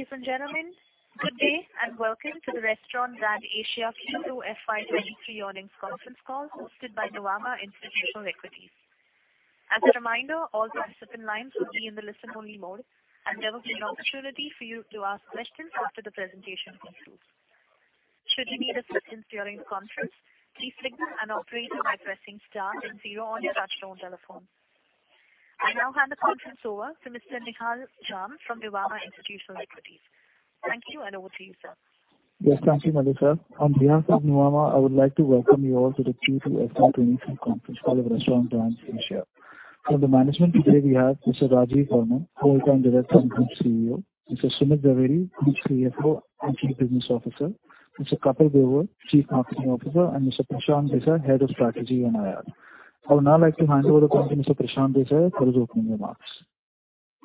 Ladies and gentlemen, good day, and welcome to the Restaurant Brands Asia Q2 FY 2023 Earnings Conference Call hosted by Nuvama Institutional Equities. As a reminder, all participant lines will be in the listen-only mode, and there will be an opportunity for you to ask questions after the presentation concludes. Should you need assistance during the conference, please signal an operator by pressing star then zero on your touchtone telephone. I now hand the conference over to Mr. Nihal Jham from Nuvama Institutional Equities. Thank you, and over to you, sir. Yes, thank you, Melissa. On behalf of Nuvama, I would like to welcome you all to the Q2 FY 2023 conference call of Restaurant Brands Asia. From the management today we have Mr. Rajeev Varman, Whole-Time Director and CEO, Mr. Sumit Zaveri, CFO and Chief Business Officer, Mr. Kapil Grover, Chief Marketing Officer, and Mr. Prashant Desai, Head of Strategy and IR. I would now like to hand over the call to Mr. Prashant Desai for his opening remarks.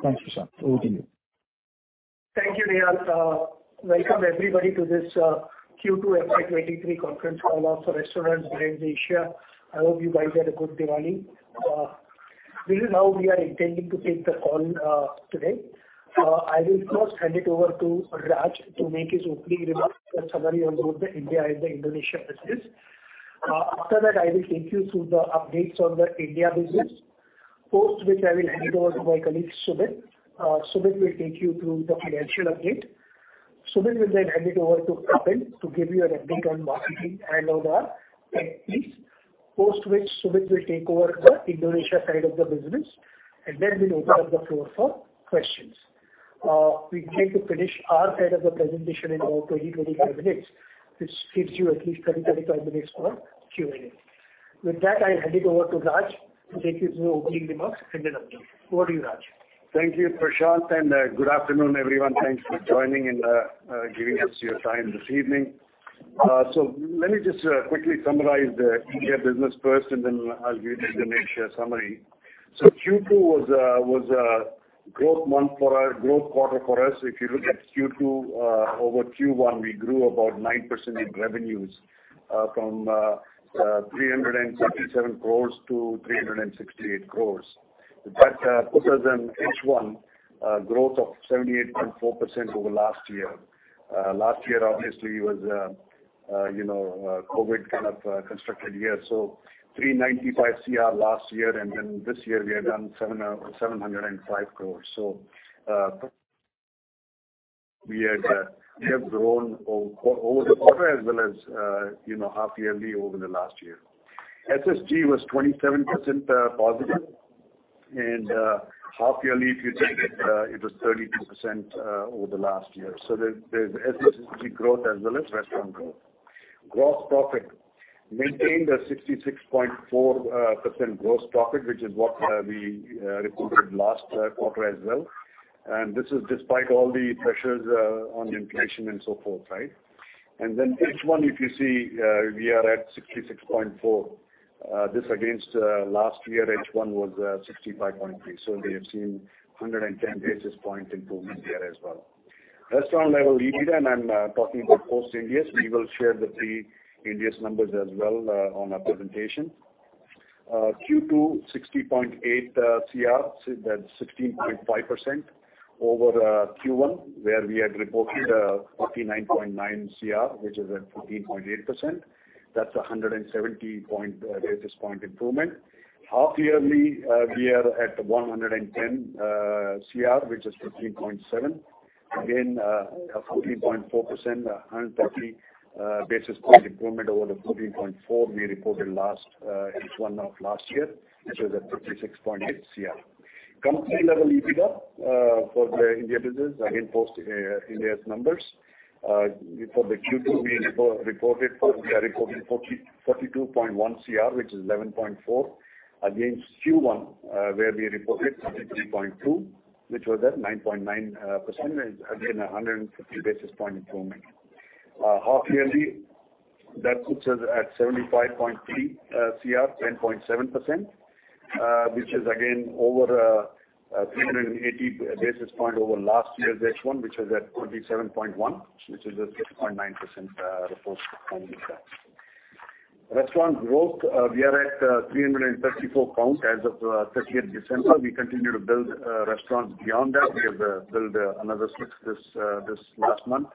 Thanks, Prashant. Over to you. Thank you, Nihal. Welcome everybody to this Q2 FY 2023 conference call for Restaurant Brands Asia. I hope you guys had a good Diwali. This is how we are intending to take the call today. I will first hand it over to Raj to make his opening remarks, the summary on both the India and the Indonesia business. After that, I will take you through the updates on the India business. Post which I will hand it over to my colleague, Sumit. Sumit will take you through the financial update. Sumit will then hand it over to Kapil to give you an update on marketing and on our tech piece. Post which Sumit will take over the Indonesia side of the business, and then we'll open up the floor for questions. We intend to finish our side of the presentation in about 20-25 minutes, which gives you at least 20-25 minutes for Q&A. With that, I hand it over to Raj to take you through opening remarks and then update. Over to you, Raj. Thank you, Prashant, and good afternoon, everyone. Thanks for joining and giving us your time this evening. Let me just quickly summarize the India business first, and then I'll give you the Indonesia summary. Q2 was a growth quarter for us. If you look at Q2 over Q1, we grew about 9% in revenues from 377 crores to 368 crores. That puts us in H1 growth of 78.4% over last year. Last year obviously was you know, a COVID kind of constrained year. 395 crores last year, and then this year we have done 705 crores. We have grown over the quarter as well as, you know, half yearly over the last year. SSG was 27% positive. Half yearly, if you take it was 32% over the last year. There's SSG growth as well as restaurant growth. Gross profit. Maintained a 66.4% gross profit, which is what we reported last quarter as well. This is despite all the pressures on inflation and so forth, right? Then H1, if you see, we are at 66.4%. This against, last year H1 was 65.3. We have seen 110 basis point improvement there as well. Restaurant level EBITDA, and I'm talking about post Ind AS. We will share the pre-Ind AS numbers as well on our presentation. Q2, 60.8 crore. That's 16.5% over Q1, where we had reported 49.9 crore, which is at 14.8%. That's a 170 basis point improvement. Half yearly, we are at 110 crore, which is 15.7%. Again, 14.4%, a 130 basis point improvement over the 14.4% we reported last H1 of last year, which was at 56.8 crore. Company level EBITDA for the India business, again post Ind AS numbers. For the Q2 we are reporting 42.1 crore, which is 11.4%, against Q1, where we reported 30.2 crore, which was at 9.9%. Again, 150 basis point improvement. Half yearly, that puts us at 75.3 crore, 10.7%. Which is again over 380 basis point over last year's H1, which was at 47.1 crore, which is at 6.9%, reports on that. Restaurant growth, we are at 334 count as of thirtieth December. We continue to build restaurants beyond that. We have built another six this last month.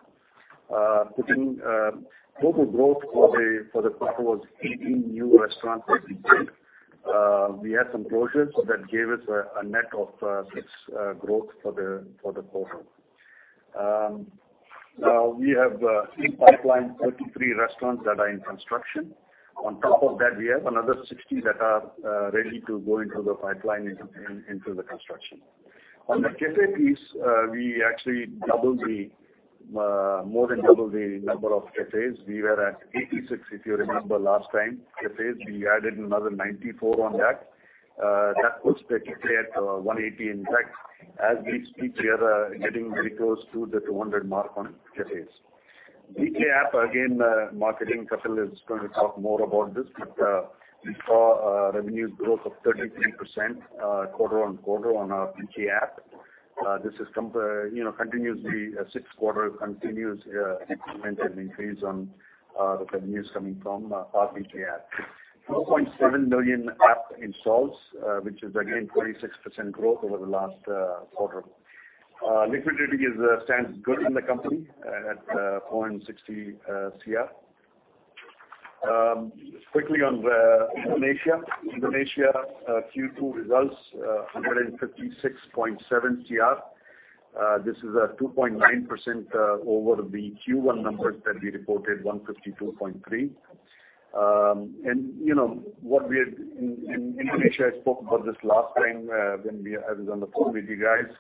Putting total growth for the quarter was 18 new restaurants that we built. We had some closures that gave us a net of six growth for the quarter. We have in pipeline 33 restaurants that are in construction. On top of that, we have another 60 that are ready to go into the pipeline into the construction. On the cafe piece, we actually more than doubled the number of cafes. We were at 86, if you remember last time, cafes. We added another 94 on that. That puts the cafe at 180. In fact, as we speak, we are getting very close to the 200 mark on cafes. BK app, again, marketing. Kapil is going to talk more about this. We saw a revenue growth of 33% quarter-over-quarter on our BK app. This has come, you know, continuously, sixth quarter continuous incremental increase on the revenues coming from our BK App. 2.7 million app installs, which is again 46% growth over the last quarter. Liquidity stands good in the company at 460 crore. Quickly on Indonesia. Indonesia Q2 results, 156.7 crore. This is 2.9% over the Q1 numbers that we reported 152.3 crore. You know, what we are doing in Indonesia, I spoke about this last time, when I was on the phone with you guys.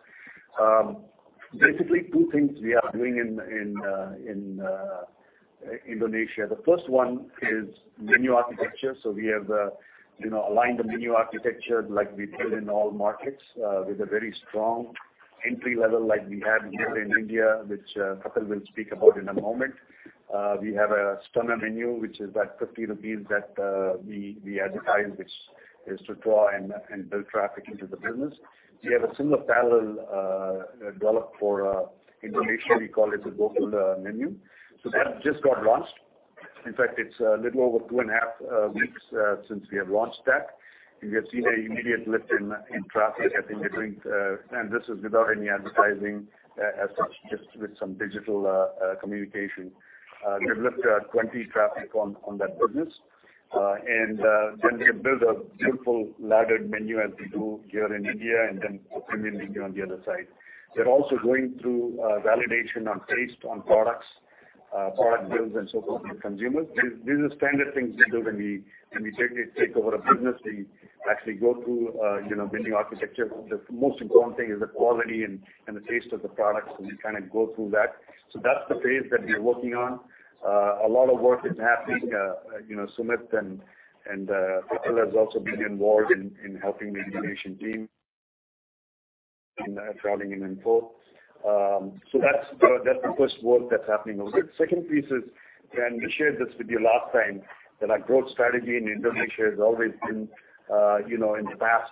Basically two things we are doing in Indonesia. The first one is menu architecture. We have, you know, aligned the menu architecture like we did in all markets, with a very strong entry level like we have here in India, which, Kapil will speak about in a moment. We have a Stunner Menu, which is that INR 50 that we advertise, which is to draw and build traffic into the business. We have a similar parallel developed for Indonesia. We call it the GoKing menu. That just got launched. In fact, it's a little over 2.5 weeks since we have launched that. We have seen an immediate lift in traffic, I think different, and this is without any advertising as such, just with some digital communication. We've looked at 20% traffic on that business. We have built a beautiful laddered menu as we do here in India, and premium menu on the other side. We're also going through validation on taste on products, product builds and so forth with consumers. These are standard things we do when we take over a business. We actually go through you know building architecture. The most important thing is the quality and the taste of the products, and we kind of go through that. That's the phase that we are working on. A lot of work is happening. Sumit and Kapil has also been involved in helping the Indonesia team in grounding in info. That's the first work that's happening over there. Second piece is, and we shared this with you last time, that our growth strategy in Indonesia has always been, you know, in the past,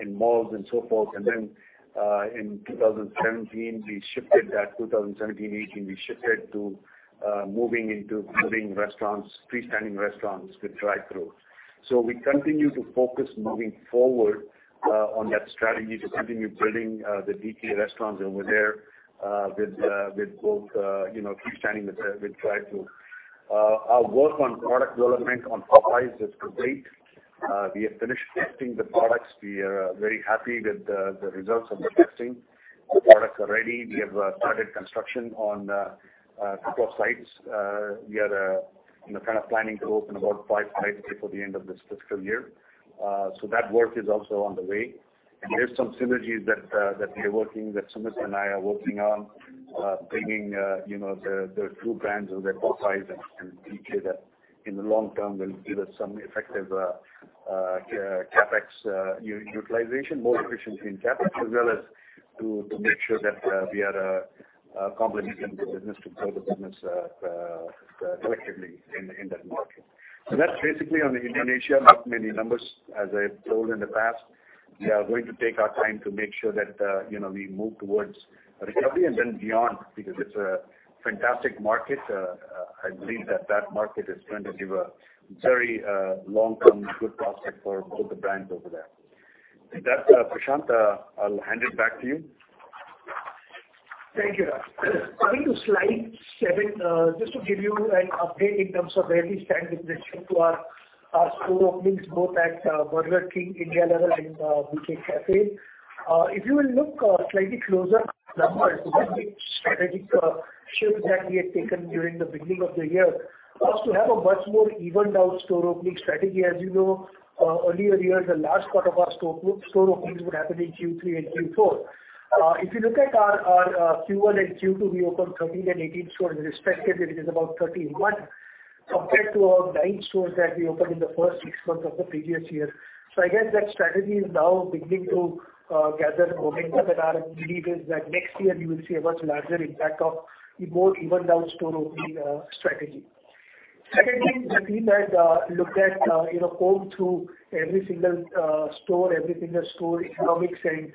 in malls and so forth. In 2017, we shifted that. 2017, 2018, we shifted to moving into building restaurants, freestanding restaurants with drive-throughs. We continue to focus moving forward on that strategy to continue building the BK restaurants over there with both, you know, freestanding with drive-through. Our work on product development on Popeyes is complete. We have finished testing the products. We are very happy with the results of the testing. The products are ready. We have started construction on a couple of sites. We are you know kind of planning to open about five sites before the end of this fiscal year. That work is also on the way. There's some synergies that we are working, that Sumit and I are working on, bringing you know the two brands of the Popeyes and BK that in the long term will give us some effective CapEx utilization, more efficiency in CapEx, as well as to make sure that we are complementing the business to grow the business collectively in that market. That's basically on the Indonesia, not many numbers, as I've told in the past. We are going to take our time to make sure that, you know, we move towards a recovery and then beyond because it's a fantastic market. I believe that market is going to give a very long-term good prospect for both the brands over there. With that, Prashant, I'll hand it back to you. Thank you, Raj. Coming to slide 7, just to give you an update in terms of where we stand with respect to our store openings, both at Burger King India level and BK Cafe. If you will look slightly closer at the numbers, one big strategic shift that we had taken during the beginning of the year was to have a much more evened out store opening strategy. As you know, earlier years, the large part of our store openings would happen in Q3 and Q4. If you look at our Q1 and Q2, we opened 13 and 18 stores respectively, which is about 31 compared to our 9 stores that we opened in the first six months of the previous year. I guess that strategy is now beginning to gather momentum, and our belief is that next year you will see a much larger impact of a more evened out store opening strategy. Secondly, the team has looked at, you know, combed through every single store, every single store economics, and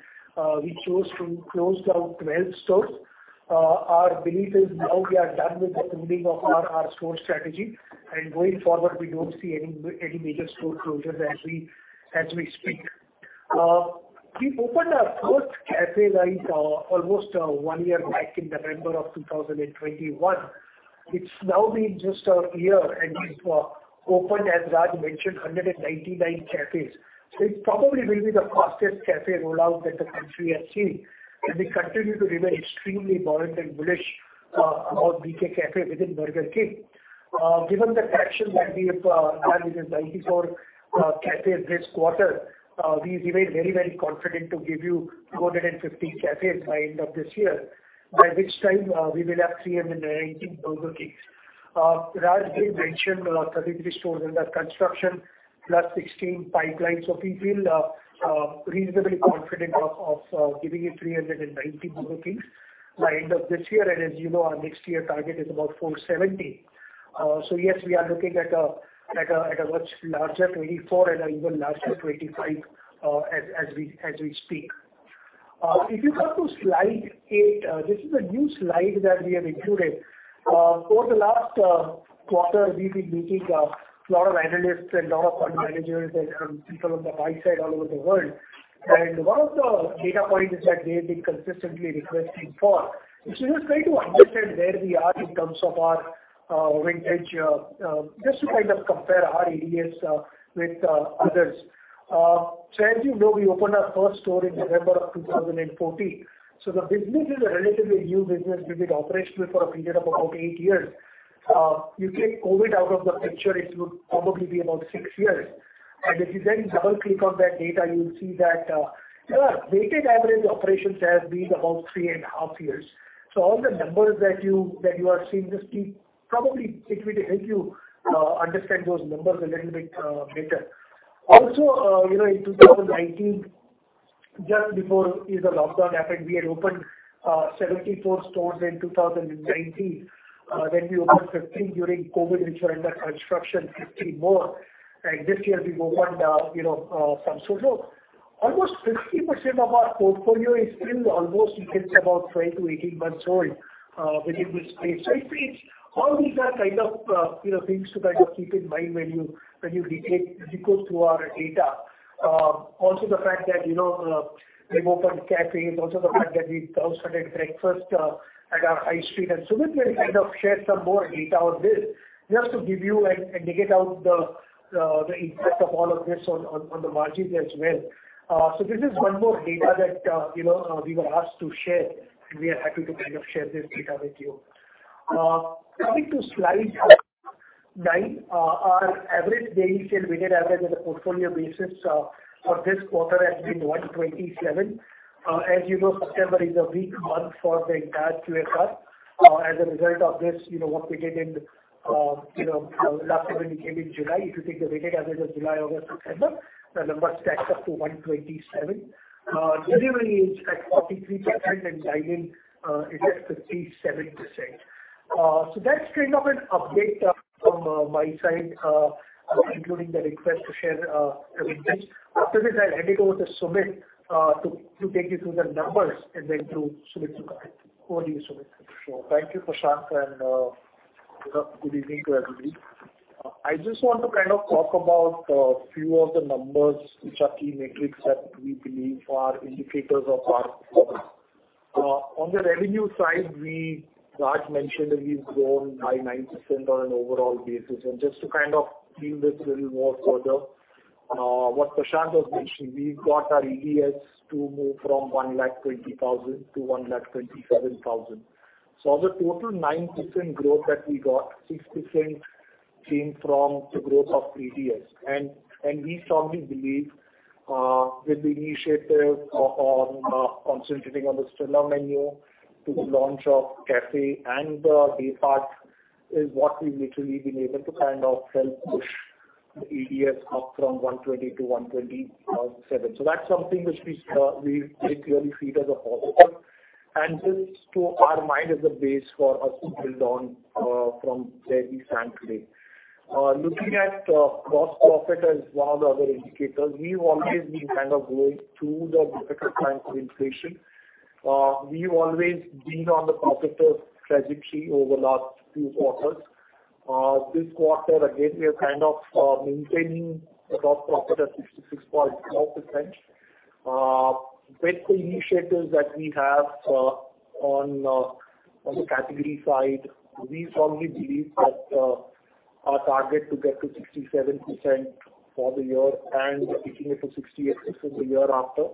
we chose to close down 12 stores. Our belief is now we are done with the pruning of our store strategy. Going forward, we don't see any major store closures as we speak. We opened our first cafe, Raj, almost one year back in November of 2021. It's now been just a year, and we've opened, as Raj mentioned, 199 cafes. It probably will be the fastest cafe rollout that the country has seen, and we continue to remain extremely buoyant and bullish about BK Cafe within Burger King. Given the traction that we have had with the 94 cafes this quarter, we remain very, very confident to give you 250 cafes by end of this year, by which time we will have 319 Burger Kings. Raj did mention 33 stores under construction plus 16 pipeline. We feel reasonably confident of giving you 390 Burger Kings by end of this year. As you know, our next year target is about 470. Yes, we are looking at a much larger 2024 and an even larger 2025, as we speak. If you come to slide 8, this is a new slide that we have included. Over the last quarter, we've been meeting a lot of analysts and a lot of fund managers and people on the buy side all over the world. One of the data points that they've been consistently requesting for is to just try to understand where we are in terms of our vintage, just to kind of compare our ADS with others. As you know, we opened our first store in November of 2014. The business is a relatively new business. We've been operational for a period of about 8 years. You take COVID out of the picture, it would probably be about 6 years. If you then double click on that data, you'll see that our weighted average operations has been about 3.5 years. All the numbers that you are seeing, just to help you understand those numbers a little bit better. Also, you know, in 2019, just before the lockdown happened, we had opened 74 stores in 2019. Then we opened 15 during COVID, which were under construction, 15 more. This year we opened, you know, some stores. Almost 50% of our portfolio is still almost, you can say, about 12-18 months old within this space. It means all these are kind of, you know, things to kind of keep in mind when you go through our data. Also the fact that, you know, we've opened cafes, also the fact that we've now started breakfast at our high street. Sumit will kind of share some more data on this, just to give you and negate out the impact of all of this on the margins as well. This is one more data that we were asked to share, and we are happy to kind of share this data with you. Jumping to slide 9. Our average daily sales weighted average on a portfolio basis for this quarter has been 127. As you know, September is a weak month for the entire QSR. As a result of this, you know, what we did in, you know, last year when we came in July, if you take the weighted average of July, August, September, the number stacks up to 127. Delivery is at 43% and dine-in is at 57%. That's kind of an update from my side, including the request to share everything. After this, I'll hand it over to Sumit to take you through the numbers and then to Sumit to guide. Over to you, Sumit. Sure. Thank you, Prashant, and good evening to everybody. I just want to kind of talk about a few of the numbers which are key metrics that we believe are indicators of our progress. On the revenue side, Prashant mentioned that we've grown by 9% on an overall basis. Just to kind of delve a little more further, what Prashant was mentioning, we've got our ADS to move from 120,000 to 127,000. Of the total 9% growth that we got, 6% came from the growth of ADS. We strongly believe, with the initiatives on, concentrating on the Stunner menu to the launch of cafe and the day part is what we've literally been able to kind of help push the ADS up from 120 to 127. That's something which we clearly see as a positive. This, to our mind, is a base for us to build on, from where we stand today. Looking at gross profit as one of the other indicators, we've always been kind of going through the difficult times of inflation. We've always been on the profitable trajectory over the last few quarters. This quarter, again, we are kind of maintaining the gross profit at 66.4%. With the initiatives that we have on the category side, we strongly believe that our target to get to 67% for the year and taking it to 68.6% for the year after,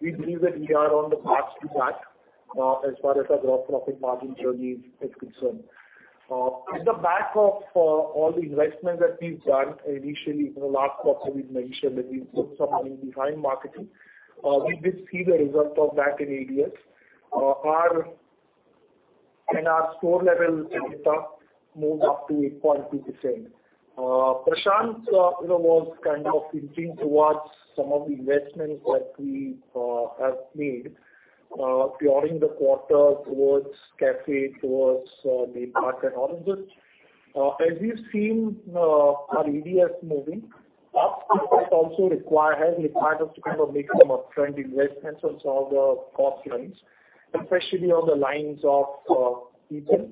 we believe that we are on the path to that as far as our gross profit margin journey is concerned. At the back of all the investments that we've done initially in the last quarter, we've mentioned that we put some money behind marketing. We did see the result of that in ADS. Our store level data moved up to 8.2%. Prashant, you know, was kind of hinting towards some of the investments that we have made during the quarter towards cafe, towards day part and all of this. As we've seen, our ADS moving up, it has required us to kind of make some upfront investments on some of the cost lines, especially on the lines of people,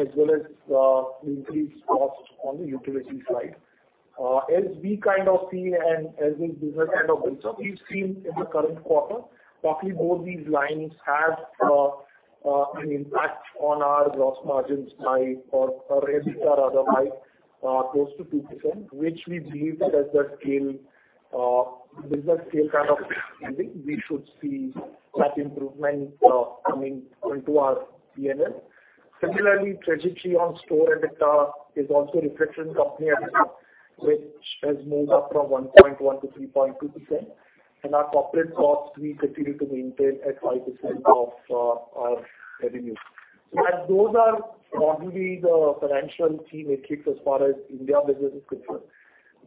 as well as the increased costs on the utility side. As we kind of see and as the business kind of builds up, we've seen in the current quarter, roughly both these lines have an impact on our gross margins by, or restaurant EBITDA rather, by close to 2%, which we believe that as the scale, business scale kind of expanding, we should see that improvement coming into our P&L. Similarly, trajectory on store EBITDA is also reflecting company EBITDA, which has moved up from 1.1% to 3.2%. Our corporate costs, we continue to maintain at 5% of our revenue. As those are probably the financial key metrics as far as India business is concerned,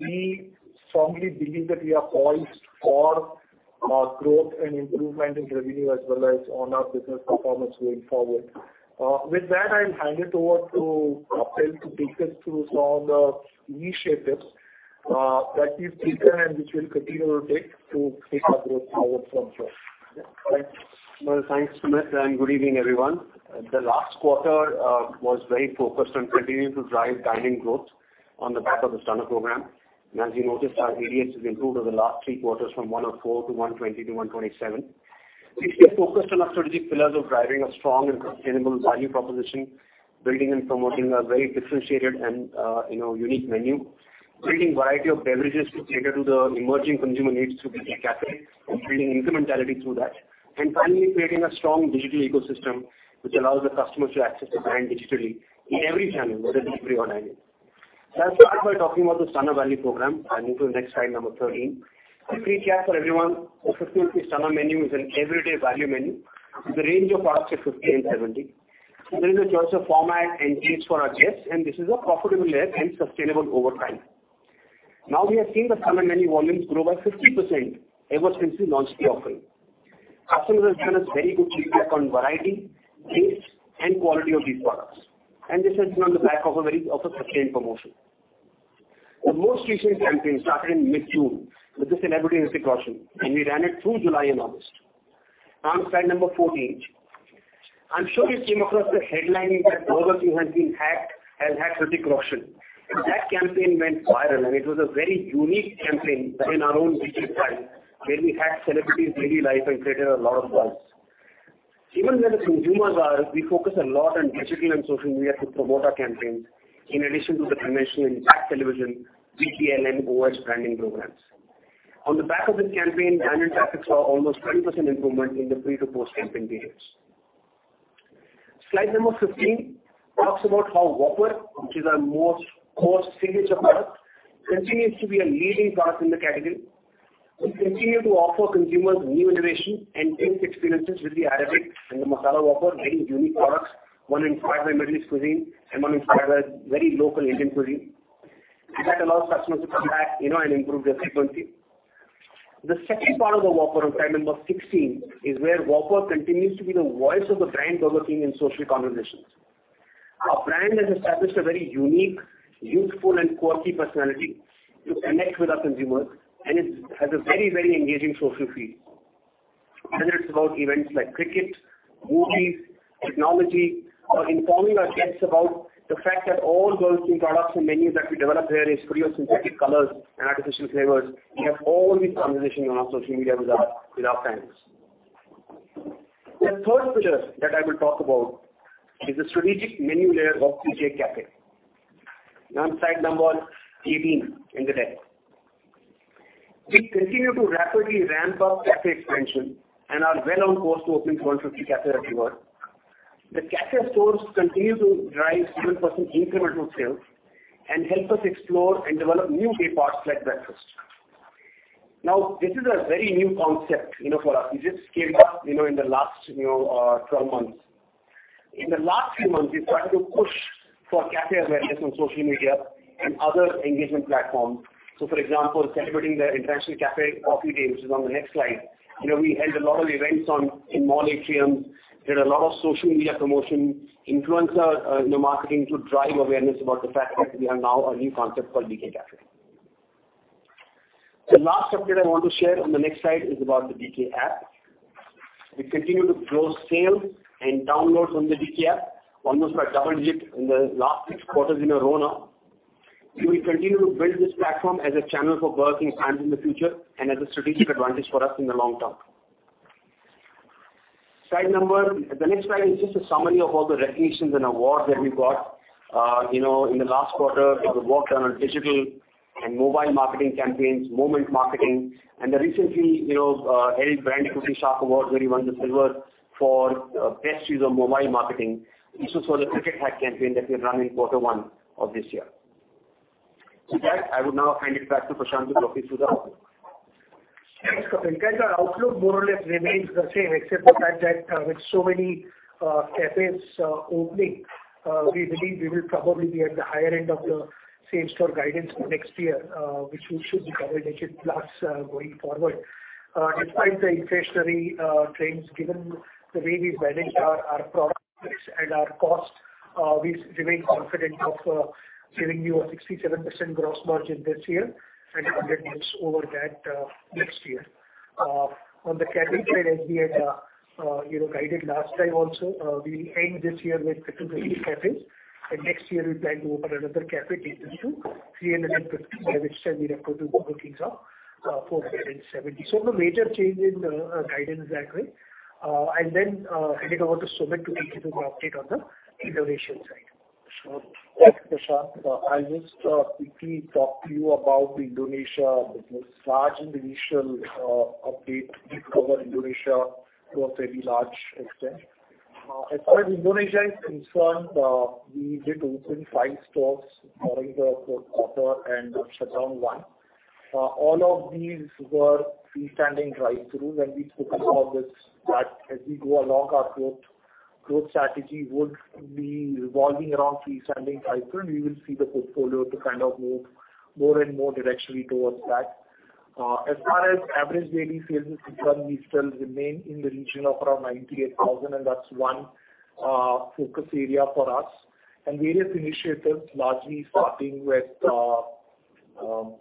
we strongly believe that we are poised for our growth and improvement in revenue as well as on our business performance going forward. With that, I'll hand it over to Kapil to take us through some of the initiatives that we've taken and which we'll continue to take our growth forward from here. Well, thanks, Sumit, and good evening, everyone. The last quarter was very focused on continuing to drive dining growth on the back of the Stunner program. As you noticed, our ADS has improved over the last three quarters from 104 to 120 to 127. We've been focused on our strategic pillars of driving a strong and sustainable value proposition, building and promoting a very differentiated and, you know, unique menu. Creating variety of beverages to cater to the emerging consumer needs through BK Cafe and building incrementality through that. Finally, creating a strong digital ecosystem which allows the customers to access the brand digitally in every channel, whether delivery or dining. I'll start by talking about the Stunner Value program. Into the next slide, number 13. A free coffee for everyone. Our 50-50 Stunner menu is an everyday value menu with a range of products at 50 and 70. There is a choice of format and taste for our guests, and this is a profitable layer and sustainable over time. Now, we have seen the Stunner menu volumes grow by 50% ever since we launched the offering. Customers have given us very good feedback on variety, taste, and quality of these products. This has been on the back of a sustained promotion. The most recent campaign started in mid-June with the celebrity Hrithik Roshan, and we ran it through July and August. Now, on slide number 14. I'm sure you came across the headline that Burger King had been hacked and Hrithik Roshan. That campaign went viral, and it was a very unique campaign in our own BK style, where we hacked celebrities' daily life and created a lot of buzz. Even where the consumers are, we focus a lot on digital and social media to promote our campaigns, in addition to the conventional impact television, BTL and OOH branding programs. On the back of this campaign, dine-in traffics saw almost 20% improvement in the pre to post-campaign periods. Slide number 15 talks about how Whopper, which is our most signature product, continues to be a leading product in the category. We continue to offer consumers new innovation and taste experiences with the Arabian and the Masala Whopper, very unique products, one inspired by Middle East cuisine and one inspired by very local Indian cuisine. That allows customers to come back, you know, and improve their frequency. The second part of the Whopper on slide number 16 is where Whopper continues to be the voice of the brand Burger King in social conversations. Our brand has established a very unique, youthful and quirky personality to connect with our consumers, and it has a very, very engaging social feed. Whether it's about events like cricket, movies, technology or informing our guests about the fact that all Burger King products and menus that we develop here is free of synthetic colors and artificial flavors. We have all these conversations on our social media with our fans. The third pillar that I will talk about is the strategic menu layer of BK Cafe. Now, on slide number 18 in the deck, we continue to rapidly ramp up cafe expansion and are well on course to opening 150 cafes everywhere. The cafe stores continue to drive 7% incremental sales and help us explore and develop new day parts like breakfast. Now, this is a very new concept, you know, for us. It just came up, you know, in the last, you know, 12 months. In the last few months, we've tried to push for cafe awareness on social media and other engagement platforms. For example, celebrating the International Coffee Day, which is on the next slide. You know, we held a lot of events in mall atriums. Did a lot of social media promotion, influencer, you know, marketing to drive awareness about the fact that we have now a new concept called BK Cafe. The last update I want to share on the next slide is about the BK App. We continue to grow sales and downloads on the BK App almost by double-digit in the last six quarters in a row now. We will continue to build this platform as a channel for Burger King fans in the future and as a strategic advantage for us in the long term. The next slide is just a summary of all the recognitions and awards that we got. You know, in the last quarter with the work done on digital and mobile marketing campaigns, moment marketing and the recent Brand Equity Shark Award where we won the silver for best use of mobile marketing. This was for the cricket hack campaign that we had run in quarter one of this year. With that, I would now hand it back to Prashant to walk you through the outlook. Thanks, Kapil. Guys, our outlook more or less remains the same, except the fact that, with so many cafes opening, we believe we will probably be at the higher end of the same store guidance for next year, which we should be double digit plus, going forward. Despite the inflationary trends, given the way we managed our products and our cost, we remain confident of giving you a 67% gross margin this year and 100 basis points over that, next year. On the cafe side, as we had guided last time also, we'll end this year with 250 cafes, and next year we plan to open another cafe, take this to 350, by which time we'd have total bookings of 470. No major change in our guidance that way. I'll then hand it over to Sumit to take you through the update on the Indonesia side. Sumit? Thanks, Prashant. I'll just quickly talk to you about Indonesia because Raj in the initial update did cover Indonesia to a very large extent. As far as Indonesia is concerned, we did open 5 stores during the fourth quarter and shut down 1. All of these were freestanding drive-throughs, and we spoke about this, that as we go along our foot- Growth strategy would be revolving around freestanding 500. We will see the portfolio to kind of move more and more directionally towards that. As far as average daily sales is concerned, we still remain in the region of around 98,000, and that's one focus area for us. Various initiatives largely starting with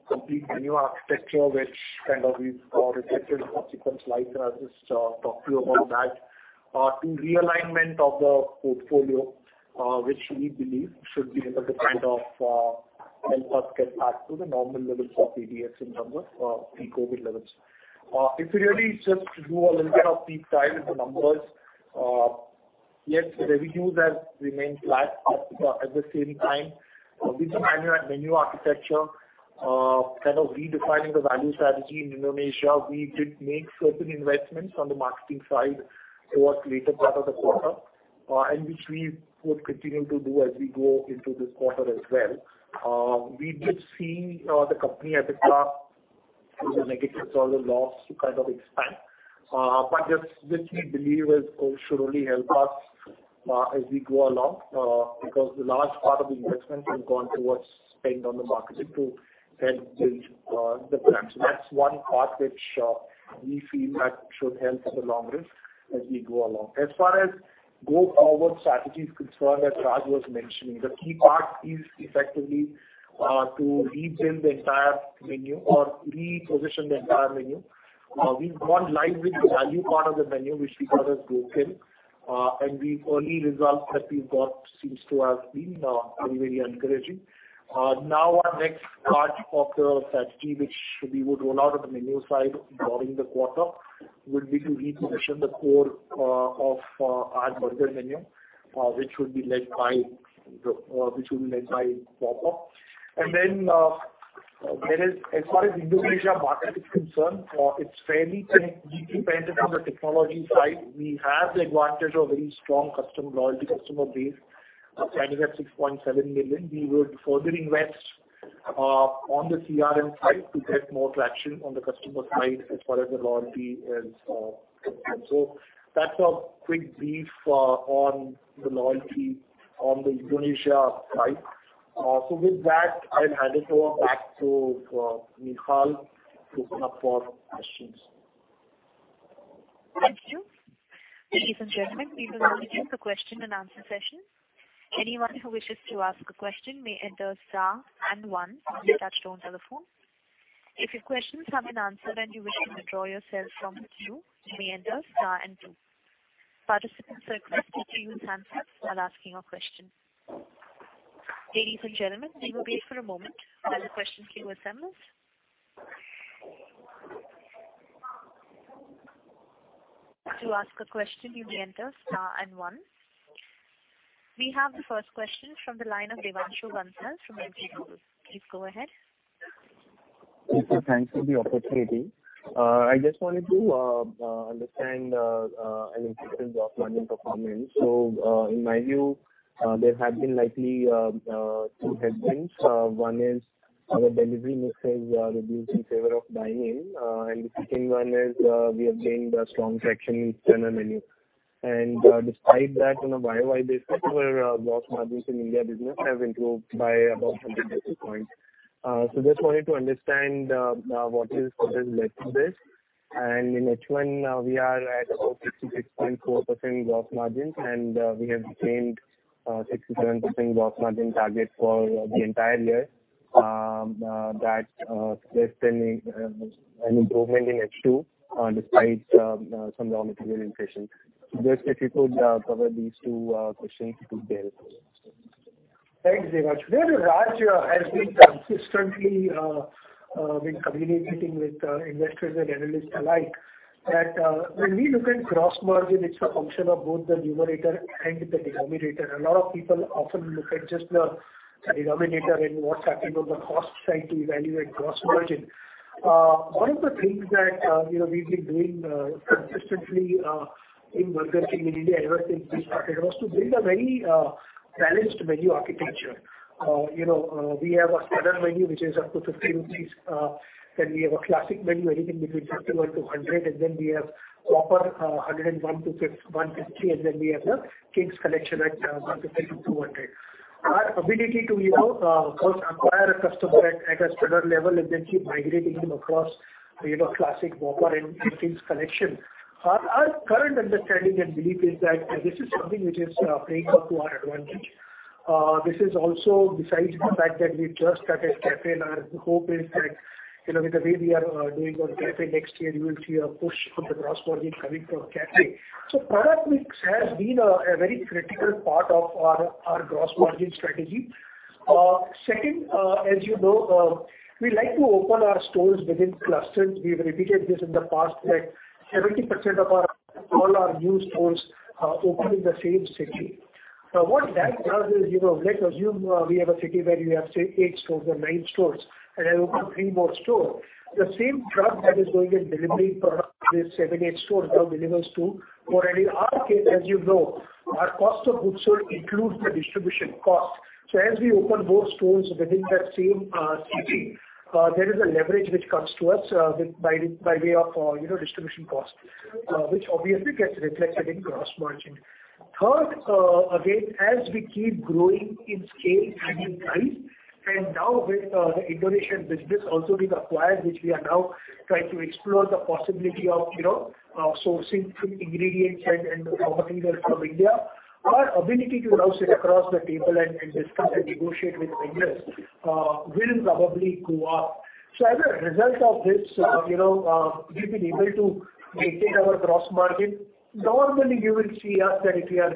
complete menu architecture, which kind of we've already touched in subsequent slides, and I'll just talk to you about that. To realignment of the portfolio, which we believe should be able to kind of help us get back to the normal levels of ADS in terms of pre-COVID levels. If we really just do a little bit of deep dive into numbers, yes, revenues have remained flat. At the same time, with the menu architecture, kind of redefining the value strategy in Indonesia, we did make certain investments on the marketing side towards later part of the quarter, and which we would continue to do as we go into this quarter as well. We did see the company EBITDA in the negative or the loss to kind of expand. This, which we believe is, should only help us, as we go along, because the large part of the investment has gone towards spend on the marketing to help build the brand. That's one part which we feel that should help in the long run as we go along. As far as go-forward strategy is concerned, as Raj was mentioning, the key part is effectively to rebuild the entire menu or reposition the entire menu. We've gone live with the value part of the menu, which we call as GoKing. The early results that we've got seems to have been very, very encouraging. Now our next part of the strategy which we would roll out on the menu side during the quarter would be to reposition the core of our burger menu, which would be led by Whopper. Whereas as far as Indonesia market is concerned, it's fairly deeply dependent on the technology side. We have the advantage of very strong customer loyalty, customer base standing at 6.7 million. We would further invest on the CRM side to get more traction on the customer side as far as the loyalty is concerned. That's a quick brief on the loyalty on the Indonesia side. With that, I'll hand it over back to Nihal to open up for questions. Thank you. Ladies and gentlemen, we will now begin the question and answer session. Anyone who wishes to ask a question may enter star and one on their touchtone telephone. If your questions have been answered and you wish to withdraw yourself from the queue, you may enter star and two. Participants are requested to use handset while asking a question. Ladies and gentlemen, we will wait for a moment while the question queue assembles. To ask a question, you may enter star and one. We have the first question from the line of Devanshu Bansal from Emkay Global. Please go ahead. Thank you. Thanks for the opportunity. I just wanted to understand in-store margin performance. In my view, there have been likely two headwinds. One is our delivery mix is reduced in favor of dine-in. The second one is we have gained a strong traction in standard menu. Despite that, on a YOY basis, our gross margins in India business have improved by about 100 basis points. Just wanted to understand what has led to this. In H1, we are at about 66.4% gross margins, and we have retained 67% gross margin target for the entire year. That suggesting an improvement in H2, despite some raw material inflation. Just if you could cover these two questions, it would be helpful. Thanks, Devanshu. Raj has been consistently communicating with investors and analysts alike that when we look at gross margin, it's a function of both the numerator and the denominator. A lot of people often look at just the denominator and what's happening on the cost side to evaluate gross margin. One of the things that you know we've been doing consistently in Burger King India ever since we started was to build a very balanced menu architecture. You know, we have a standard menu which is up to 50 rupees. Then we have a classic menu, anything between 51-100. Then we have Whopper, 101-150. Then we have the King's Collection at 150-200. Our ability to first acquire a customer at a standard level and then keep migrating him across classic, Whopper and King's Collection. Our current understanding and belief is that this is something which is playing out to our advantage. This is also besides the fact that we just started BK Cafe and our hope is that, with the way we are doing on BK Cafe next year, you will see a push for the gross margin coming from BK Cafe. Product mix has been a very critical part of our gross margin strategy. Second, we like to open our stores within clusters. We've repeated this in the past that 70% of all our new stores open in the same city. What that does is, you know, let's assume we have a city where you have, say, 8 stores or 9 stores and I open 3 more stores. The same truck that is going and delivering product to these 7 or 8 stores now delivers to more. In our case, as you know, our cost of goods sold includes the distribution cost. As we open more stores within that same city, there is a leverage which comes to us by way of, you know, distribution cost, which obviously gets reflected in gross margin. Third, again, as we keep growing in scale and in size, and now with the Indonesian business also being acquired, which we are now trying to explore the possibility of, you know, sourcing some ingredients and raw material from India. Our ability to now sit across the table and discuss and negotiate with vendors will probably go up. As a result of this, you know, we've been able to maintain our gross margin. Normally, you will see us that if we are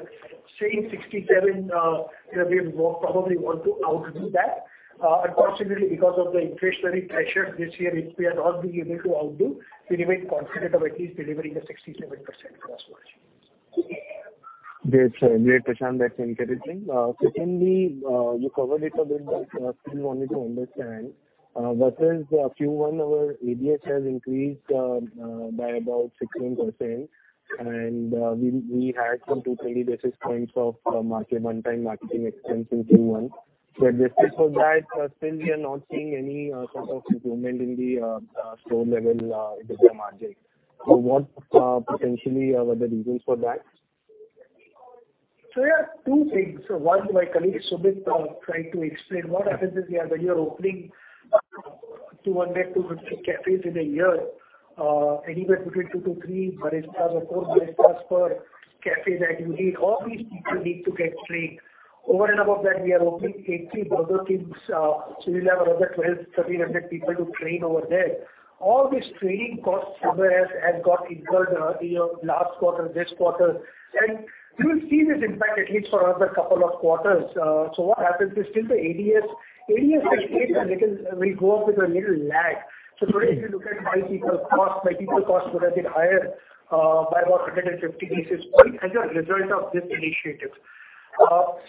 saying 67, you know, we will probably want to outdo that. Unfortunately, because of the inflationary pressures this year, if we have not been able to outdo, we remain confident of at least delivering a 67% gross margin. Great. Great, Prashant. That's encouraging. Secondly, you covered it a bit, but still wanted to understand. Versus Q1, our ADS has increased by about 16%, and we had some 220 basis points of one-time marketing expense in Q1. Adjusted for that, still we are not seeing any sort of improvement in the store level EBITDA margin. What potentially are the reasons for that? There are two things. One, my colleague Sumit tried to explain. What happens is we are, when you're opening 200-250 cafes in a year, anywhere between 2 to 3 baristas or 4 baristas per cafe that you need, all these people need to get trained. Over and above that, we are opening 80 burger teams. We'll have another 1,200-1,300 people to train over there. All this training costs somewhere has got incurred, you know, last quarter, this quarter. You will see this impact at least for another couple of quarters. What happens is still the ADS will take a little, will go up with a little lag. Today, if you look at my people cost, my people cost would have been higher by about 150 basis points as a result of this initiative.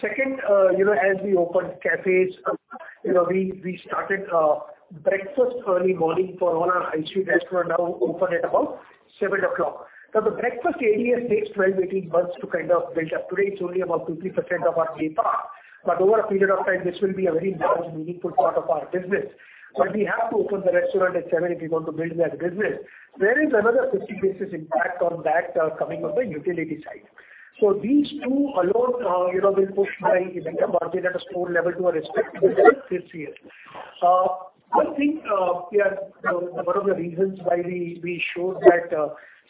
Second, you know, as we open cafes, you know, we started breakfast early morning for all our high street restaurant now open at about 7:00 A.M. Now, the breakfast ADS takes 12-18 months to kind of build up. Today, it's only about 2%-3% of our day part. Over a period of time, this will be a very large, meaningful part of our business. We have to open the restaurant at 7:00 A.M. if you want to build that business. There is another 50 basis points impact on that coming on the utility side. These two alone, you know, will push my EBITDA margin at a store level to a respectable level this year. I think we are one of the reasons why we showed that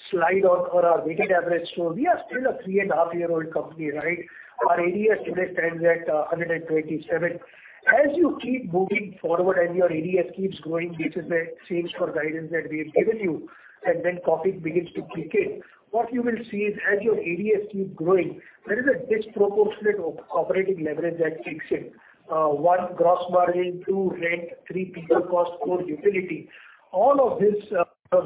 slide on our weighted average store. We are still a three-and-a-half-year-old company, right? Our ADS today stands at 127. As you keep moving forward and your ADS keeps growing, this is a change for guidance that we have given you. When profit begins to kick in, what you will see is as your ADS keep growing, there is a disproportionate operating leverage that kicks in. One, gross margin, two, rent, three, people cost, four, utility. All of this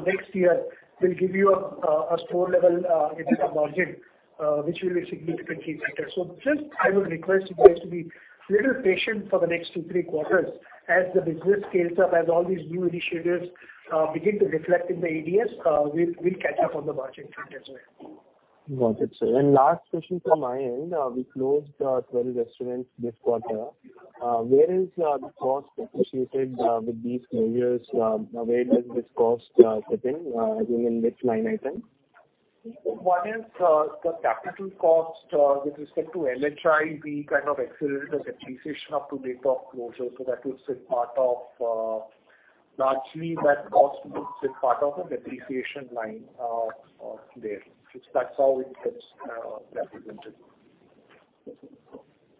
next year will give you a store level EBITDA margin which will be significantly better. Just I would request you guys to be little patient for the next two, three quarters. As the business scales up, as all these new initiatives begin to reflect in the ADS, we'll catch up on the margin front as well. Got it, sir. Last question from my end. We closed 12 restaurants this quarter. Where is the cost associated with these closures? Where does this cost sit in, I mean, in which line item? One is the capital cost with respect to LHI. We kind of accelerated the depreciation up to date of closure. Largely that cost will sit as part of the depreciation line there. That's how it gets represented.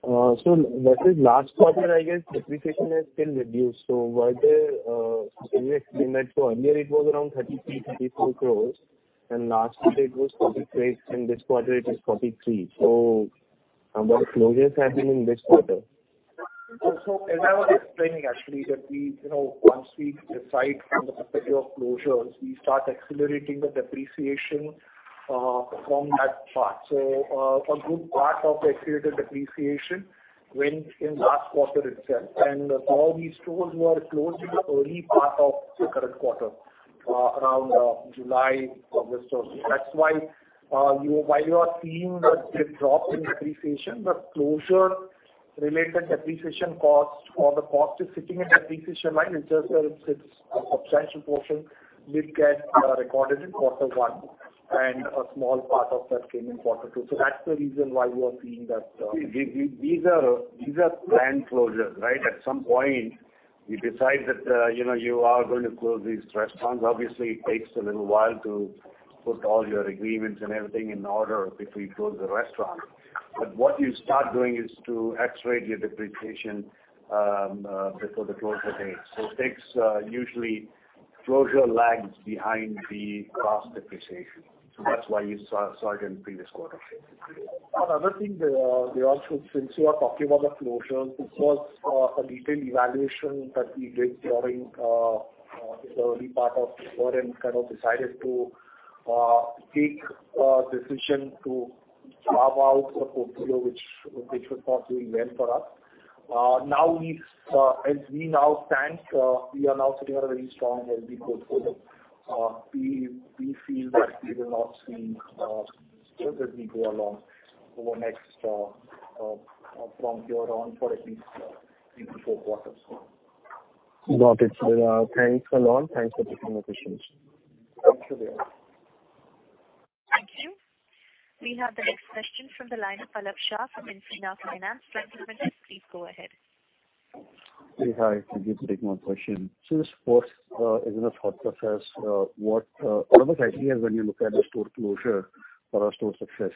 Versus last quarter, I guess, depreciation has been reduced. Why the, can you explain that? Earlier it was around 33-34 crore. Last quarter it was 48 crore. In this quarter it is 43 crore. Number of closures happened in this quarter. As I was explaining actually that we, you know, once we decide on the schedule of closures, we start accelerating the depreciation from that part. A good part of the accelerated depreciation went in last quarter itself. All these stores were closed in the early part of the current quarter around July, August or so. That's why, while you are seeing a dip or drop in depreciation, the closure related depreciation cost or the cost is sitting in depreciation line. It's just a substantial portion will get recorded in quarter one, and a small part of that came in quarter two. That's the reason why you are seeing that. These are planned closures, right? At some point, you decide that, you know, you are going to close these restaurants. Obviously, it takes a little while to put all your agreements and everything in order before you close the restaurant. What you start doing is to accelerate your depreciation before the closure date. It takes. Usually, closure lags behind the cost depreciation. That's why you saw it in previous quarter. One other thing, we also, since you are talking about the closures, this was a detailed evaluation that we did during the early part of the year and kind of decided to take a decision to carve out a portfolio which was not doing well for us. Now we've, as we now stand, we are now sitting on a very strong healthy portfolio. We feel that we will not see stores as we go along over next from here on for at least 3-4 quarters. Got it. Thanks, Alot. Thanks for the presentations. Thank you, Raj. Thank you. We have the next question from the line of Palak Shah from Infina Finance. Palak, please go ahead. Hey. Hi, thank you for taking my question. The store's thought process. What are the criteria when you look at a store closure for a store success?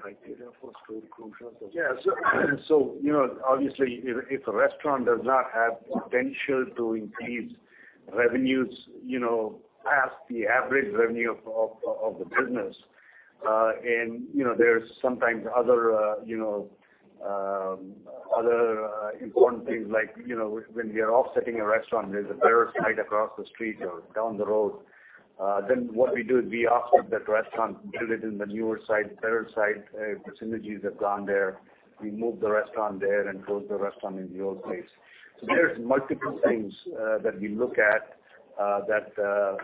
Criteria for store closure success? You know, obviously if a restaurant does not have potential to increase revenues, you know, past the average revenue of the business, and you know, there's sometimes other important things like, you know, when we are offsetting a restaurant, there's a better site across the street or down the road. Then what we do is we offer that restaurant, build it in the newer site, better site. The synergies have gone there. We move the restaurant there and close the restaurant in the old place. There's multiple things that we look at that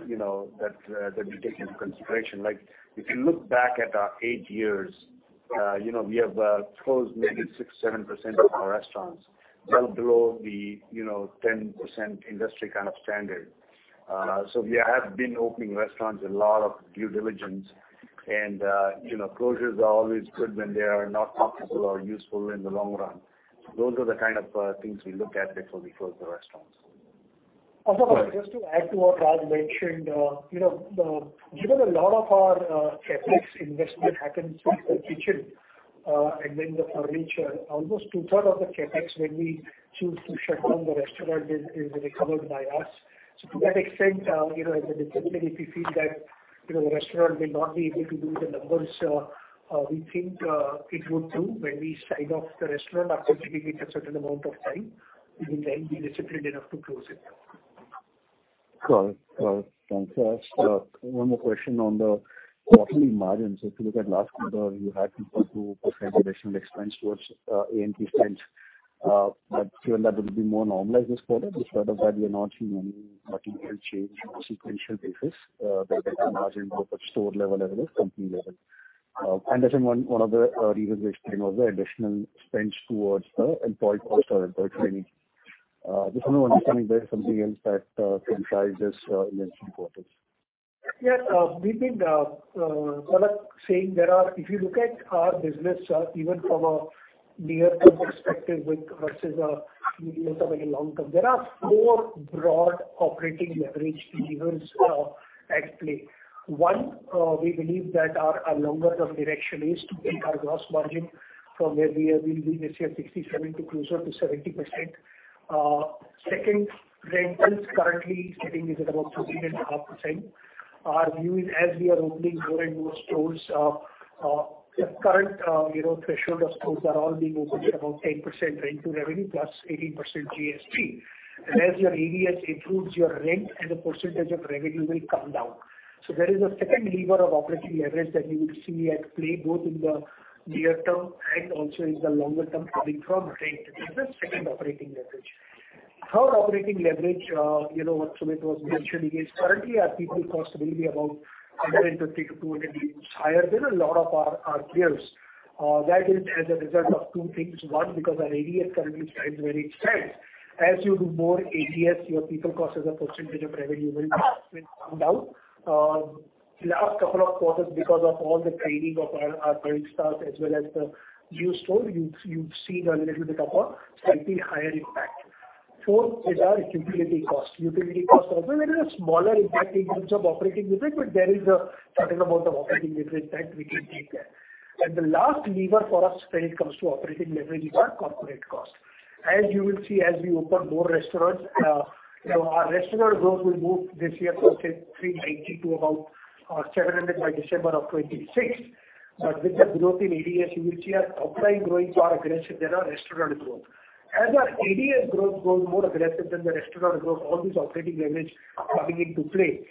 we take into consideration. Like, if you look back at our 8 years, you know, we have closed maybe 6-7% of our restaurants, well below the you know 10% industry kind of standard. We have been opening restaurants, a lot of due diligence and you know closures are always good when they are not possible or useful in the long run. Those are the kind of things we look at before we close the restaurants. Also, just to add to what Raj mentioned, you know, given a lot of our CapEx investment happens in the kitchen and then the furniture, almost two-thirds of the CapEx when we choose to shut down the restaurant is recovered by us. To that extent, you know, as a discipline, if we feel that, you know, the restaurant will not be able to do the numbers we think it would do when we sign off the restaurant after giving it a certain amount of time, we will then be disciplined enough to close it. Correct. Thanks, Raj. One more question on the quarterly margins. If you look at last quarter, you had referred to percent additional expense towards AMP spend. But given that it will be more normalized this quarter, despite of that, we are not seeing any material change on a sequential basis, the margin both at store level as well as company level. And as in one of the reasons they explained was the additional spends towards the employee cost or employee training. Just want to understand if there is something else that drives this in this quarter. Yeah. We've been sort of saying there are. If you look at our business, even from a near-term perspective with versus a medium to very long term, there are four broad operating leverage levers at play. One, we believe that our longer term direction is to take our gross margin from where we are. We'll be this year 67% to closer to 70%. Second, rentals currently sitting is at about 3.5%. Our view is as we are opening more and more stores, the current, you know, threshold of stores are all being opened at about 10% rent to revenue plus 18% GST. As your ADS improves, your rent as a percentage of revenue will come down. There is a second lever of operating leverage that you will see at play both in the near term and also in the longer term coming from rent. This is second operating leverage. Third operating leverage, you know, Sumit was mentioning is currently our people cost will be about 150 to 200 basis points higher than a lot of our peers. That is as a result of two things. One, because our ADS currently stands very stretched. As you do more ADS, your people cost as a percentage of revenue will come down. Last couple of quarters because of all the training of our current staff as well as the new store, you've seen a little bit of a slightly higher impact. Fourth is our utility cost. Utility cost also there is a smaller impact in terms of operating leverage, but there is a certain amount of operating leverage that we can take there. The last lever for us when it comes to operating leverage is our corporate cost. As you will see, as we open more restaurants, our restaurant growth will move this year from 390 to about 700 by December of 2026. With the growth in ADS, you will see our top line growing far aggressive than our restaurant growth. As our ADS growth grows more aggressive than the restaurant growth, all this operating leverage coming into play.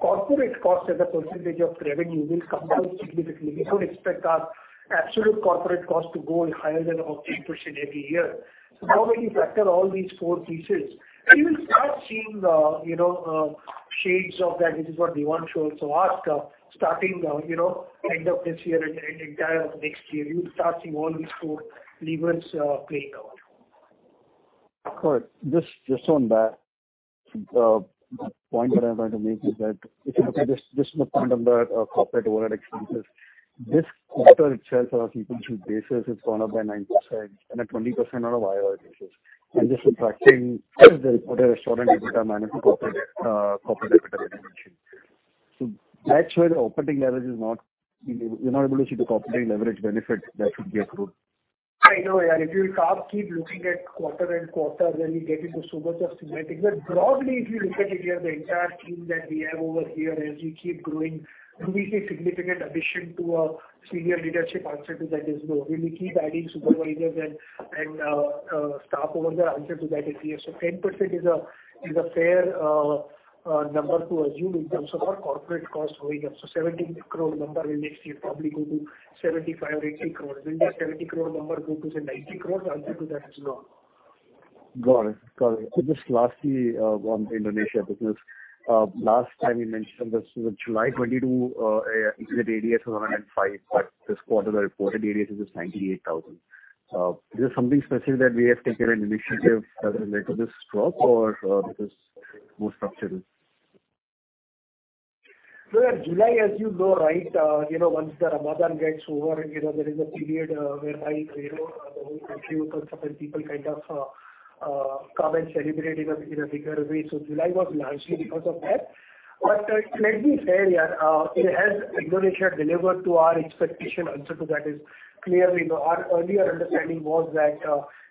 Corporate cost as a percentage of revenue will come down significantly. We don't expect our absolute corporate cost to go higher than about 8% every year. Now when you factor all these four pieces, you will start seeing the, you know, shades of that, which is what Devanshu also asked. Starting, you know, end of this year and entire of next year, you'll start seeing all these four levers, playing out. Correct. Just on that. The point that I'm trying to make is that if you look at this is the point under corporate overhead expenses. This quarter itself on a sequential basis is gone up by 9% and at 20% on a YOY basis. This is factoring the reported restaurant EBITDA minus the corporate EBITDA that you mentioned. Actually, the operating leverage is not being able. We're not able to see the operating leverage benefit that should be accrued. I know, yeah. If you start keep looking at quarter and quarter, then you get into so much of semantics. Broadly, if you look at it, you have the entire team that we have over here. As we keep growing, do we see significant addition to our senior leadership? Answer to that is no. Will we keep adding supervisors and staff over there? Answer to that is yes. 10% is a fair number to assume in terms of our corporate cost going up. 70 crore number will next year probably go to 75 crore-80 crore. Will that 70 crore number go to, say, 90 crore? Answer to that is no. Got it. Just lastly, on the Indonesia business. Last time you mentioned that the July 2022 exit ADS was 105, but this quarter the reported ADS is just 98 thousand. Is there something specific that we have taken an initiative related to this drop or this is more structural? July, as you know, right, you know, once the Ramadan gets over, you know, there is a period whereby you know the whole country opens up and people kind of come and celebrate in a bigger way. July was largely because of that. Let me say here, Indonesia delivered to our expectations. Answer to that is clearly, you know, our earlier understanding was that,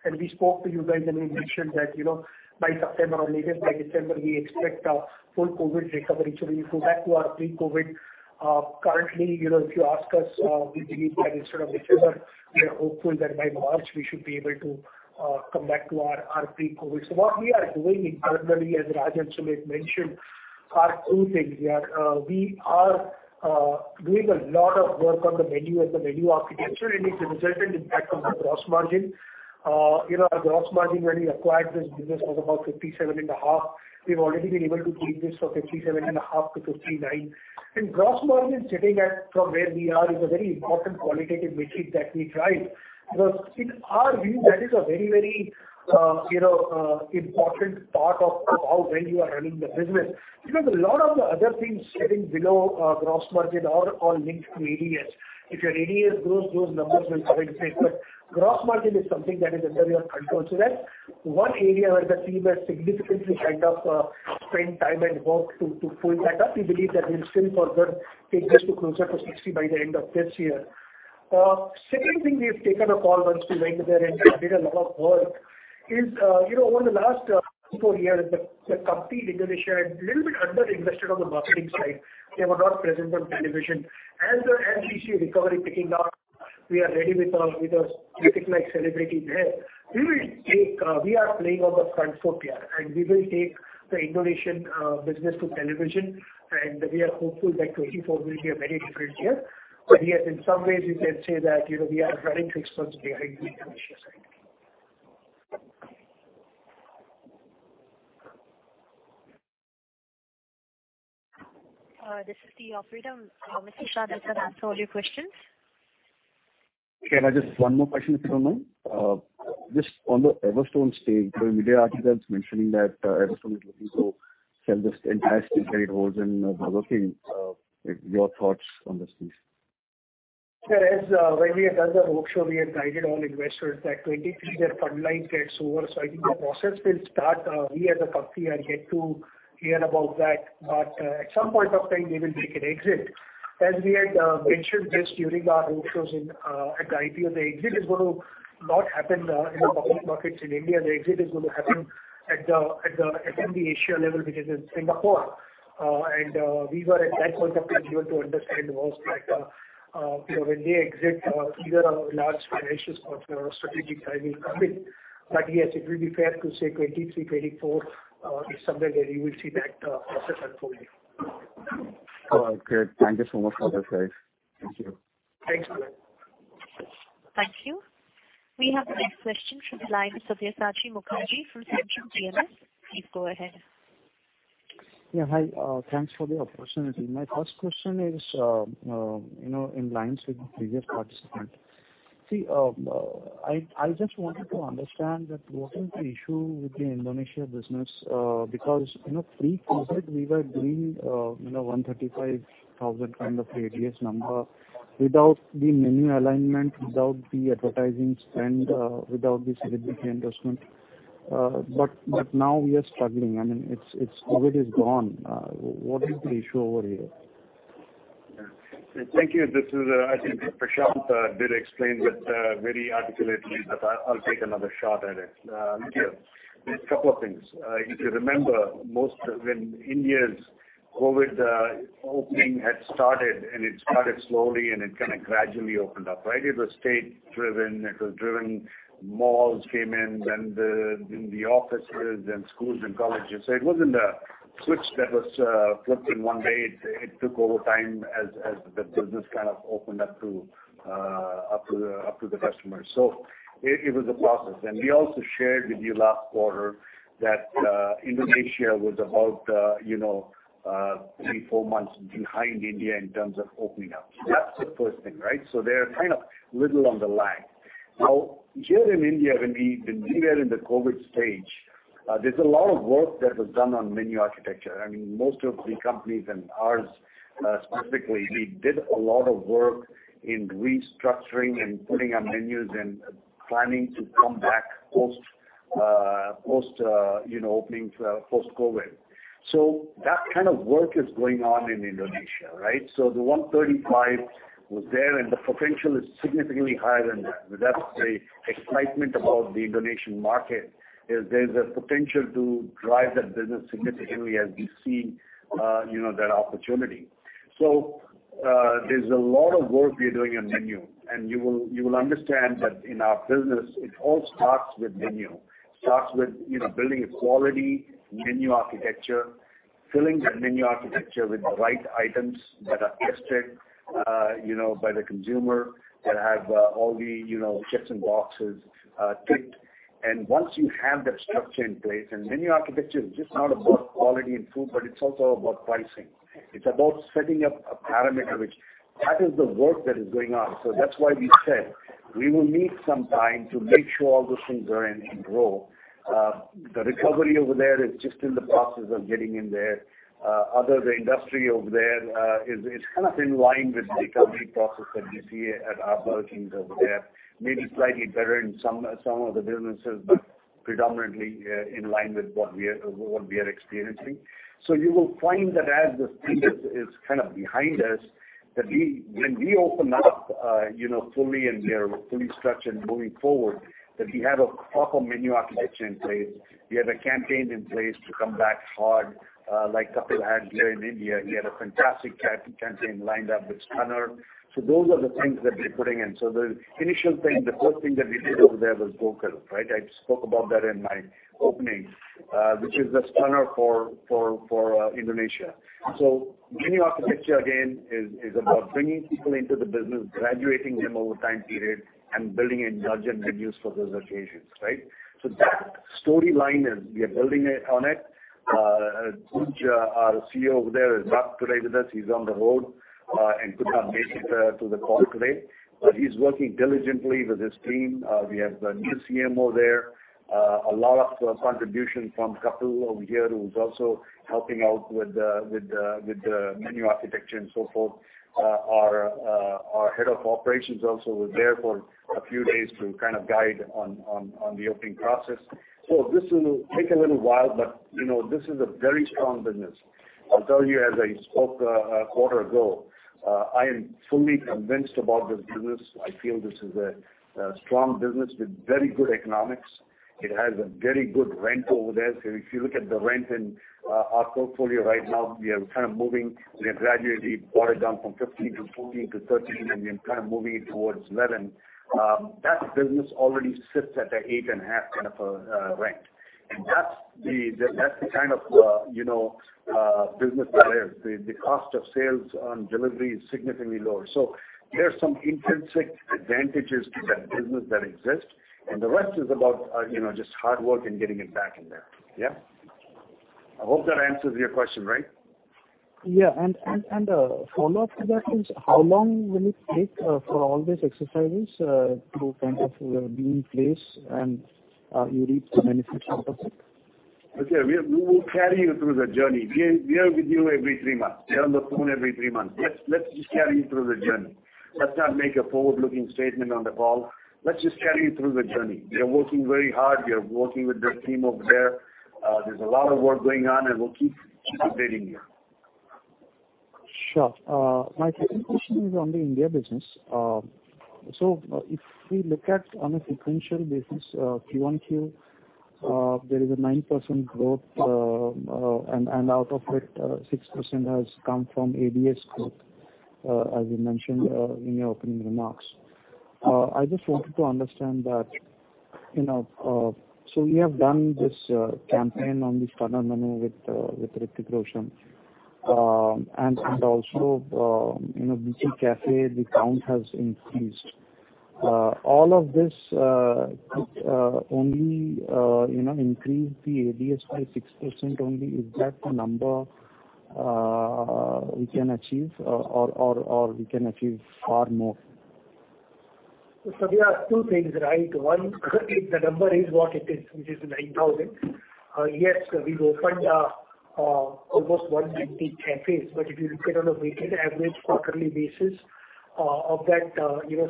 and we spoke to you guys and we mentioned that, you know, by September or latest by December we expect a full COVID recovery. We go back to our pre-COVID. Currently, you know, if you ask us, we believe that instead of December, we are hopeful that by March we should be able to come back to our pre-COVID. What we are doing internally, as Raj and Sumit mentioned, are two things here. We are doing a lot of work on the menu and the menu architecture, and it's a resultant impact on the gross margin. You know, our gross margin when we acquired this business was about 57.5%. We've already been able to take this from 57.5% to 59%. Gross margin sitting at from where we are is a very important qualitative metric that we drive because in our view that is a very, very, you know, important part of how well you are running the business. Because a lot of the other things sitting below gross margin are all linked to ADS. If your ADS grows, those numbers will automatically grow. Gross margin is something that is under your control. That's one area where the team has significantly kind of spent time and worked to pull that up. We believe that we'll still further take this to closer to 60 by the end of this year. Second thing we have taken a call once we went there and did a lot of work is, you know, over the last 3, 4 years, the company in Indonesia had little bit underinvested on the marketing side. They were not present on television. As the macro recovery picking up, we are ready with our strategic like celebrity there. We will take, we are playing on the front foot PR, and we will take the Indonesian business to television. We are hopeful that 2024 will be a very different year. Yes, in some ways you can say that, you know, we are running six months behind the Indonesia side. This is the operator. Mr. Shah has answered all your questions. Can I just one more question, if you don't mind? Just on the Everstone stake. There were media articles mentioning that, Everstone is looking to sell this entire stake they hold in Restaurant Brands Asia. Your thoughts on this, please. When we had done the roadshow, we had guided all investors that 2023 their fund life gets over. I think the process will start. We as a company are yet to hear about that. At some point of time they will take an exit. We had mentioned this during our roadshows at the IPO. The exit is gonna not happen in the public markets in India. The exit is gonna happen at the RB Asia level, which is in Singapore. We were at that point of time able to understand was that, you know, when they exit, either a large financial partner or strategic buyer will come in. Yes, it will be fair to say 2023, 2024 is somewhere where you will see that process unfolding. All right, great. Thank you so much for the update. Thank you. Thanks, Palak. Thank you. We have the next question from the line of Sabyasachi Mukerji from Centrum PMS. Please go ahead. Yeah, hi. Thanks for the opportunity. My first question is, you know, in line with the previous participant. See, I just wanted to understand that what is the issue with the Indonesia business? Because, you know, pre-COVID we were doing, you know, 135,000 kind of ADS number without the menu alignment, without the advertising spend, without the celebrity endorsement. Now we are struggling. I mean, it's COVID is gone. What is the issue over here? Yeah. Thank you. This is, I think Prashant did explain that very articulately, but I'll take another shot at it. A couple of things. If you remember back when India's COVID opening had started, and it started slowly and it kind of gradually opened up, right? It was state driven. It was driven, malls came in, then the offices and schools and colleges. It wasn't a switch that was flipped in one day. It took over time as the business kind of opened up to the customers. It was a process. We also shared with you last quarter that Indonesia was about, you know, 3-4 months behind India in terms of opening up. That's the first thing, right? They're kind of lagging a little. Now, here in India, when we were in the COVID stage, there's a lot of work that was done on menu architecture. I mean, most of the companies and ours, specifically, we did a lot of work in restructuring and putting up menus and planning to come back post, you know, opening for post-COVID. That kind of work is going on in Indonesia, right? The 135 was there, and the potential is significantly higher than that. That's the excitement about the Indonesian market, is there's a potential to drive that business significantly as we see, you know, that opportunity. There's a lot of work we are doing on menu, and you will understand that in our business, it all starts with menu. starts with building a quality menu architecture, filling that menu architecture with the right items that are tested, you know, by the consumer, that have all the checks and boxes ticked. Once you have that structure in place, menu architecture is just not about quality and food, but it's also about pricing. It's about setting up a parameter. That is the work that is going on. That's why we said we will need some time to make sure all those things are in a row. The recovery over there is just in the process of getting into gear. Overall, the industry over there is kind of in line with the recovery process that we see at our workings over there. Maybe slightly better in some of the businesses, but predominantly in line with what we are experiencing. You will find that as this thing is kind of behind us, that we, when we open up, you know, fully and we are fully structured moving forward, that we have a proper menu architecture in place. We have the campaigns in place to come back hard, like Kapil had here in India. He had a fantastic campaign lined up with Stunner. Those are the things that we're putting in. The initial thing, the first thing that we did over there was GoKing, right? I spoke about that in my opening, which is the Stunner for Indonesia. Menu architecture again is about bringing people into the business, graduating them over time period, and building in larger menus for those occasions, right? That storyline is we are building it on it. Rajeev Varman, our CEO over there, is not today with us. He's on the road and could not make it to the call today. He's working diligently with his team. We have a new CMO there. A lot of contribution from Kapil Grover over here, who's also helping out with the menu architecture and so forth. Our head of operations also was there for a few days to kind of guide on the opening process. This will take a little while, but you know, this is a very strong business. I'll tell you as I spoke a quarter ago, I am fully convinced about this business. I feel this is a strong business with very good economics. It has a very good rent over there. If you look at the rent in our portfolio right now, we are kind of moving. We have gradually brought it down from 15% to 14% to 13%, and we're kind of moving it towards 11%. That business already sits at a 8.5% kind of a rent. That's the kind of business that is. The cost of sales on delivery is significantly lower. There's some intrinsic advantages to that business that exist, and the rest is about you know, just hard work and getting it back in there. I hope that answers your question, right? Follow-up to that is how long will it take for all these exercises to kind of be in place and you reap the benefits out of it? Okay. We will carry you through the journey. We are with you every three months. We're on the phone every three months. Let's just carry you through the journey. Let's not make a forward-looking statement on the call. Let's just carry you through the journey. We are working very hard. We are working with the team over there. There's a lot of work going on, and we'll keep updating you. Sure. My second question is on the India business. If we look at on a sequential basis, Q-on-Q, there is a 9% growth, and out of it, 6% has come from ADS growth, as you mentioned, in your opening remarks. I just wanted to understand that, you know, you have done this campaign on the Stunner menu with Hrithik Roshan. Also, you know, BK Cafe, the count has increased. All of this only, you know, increased the ADS by 6% only. Is that the number we can achieve or we can achieve far more? There are two things, right? One, if the number is what it is, which is 9,000, yes, we've opened almost 150 cafes. But if you look at on a weighted average quarterly basis, of that, you know,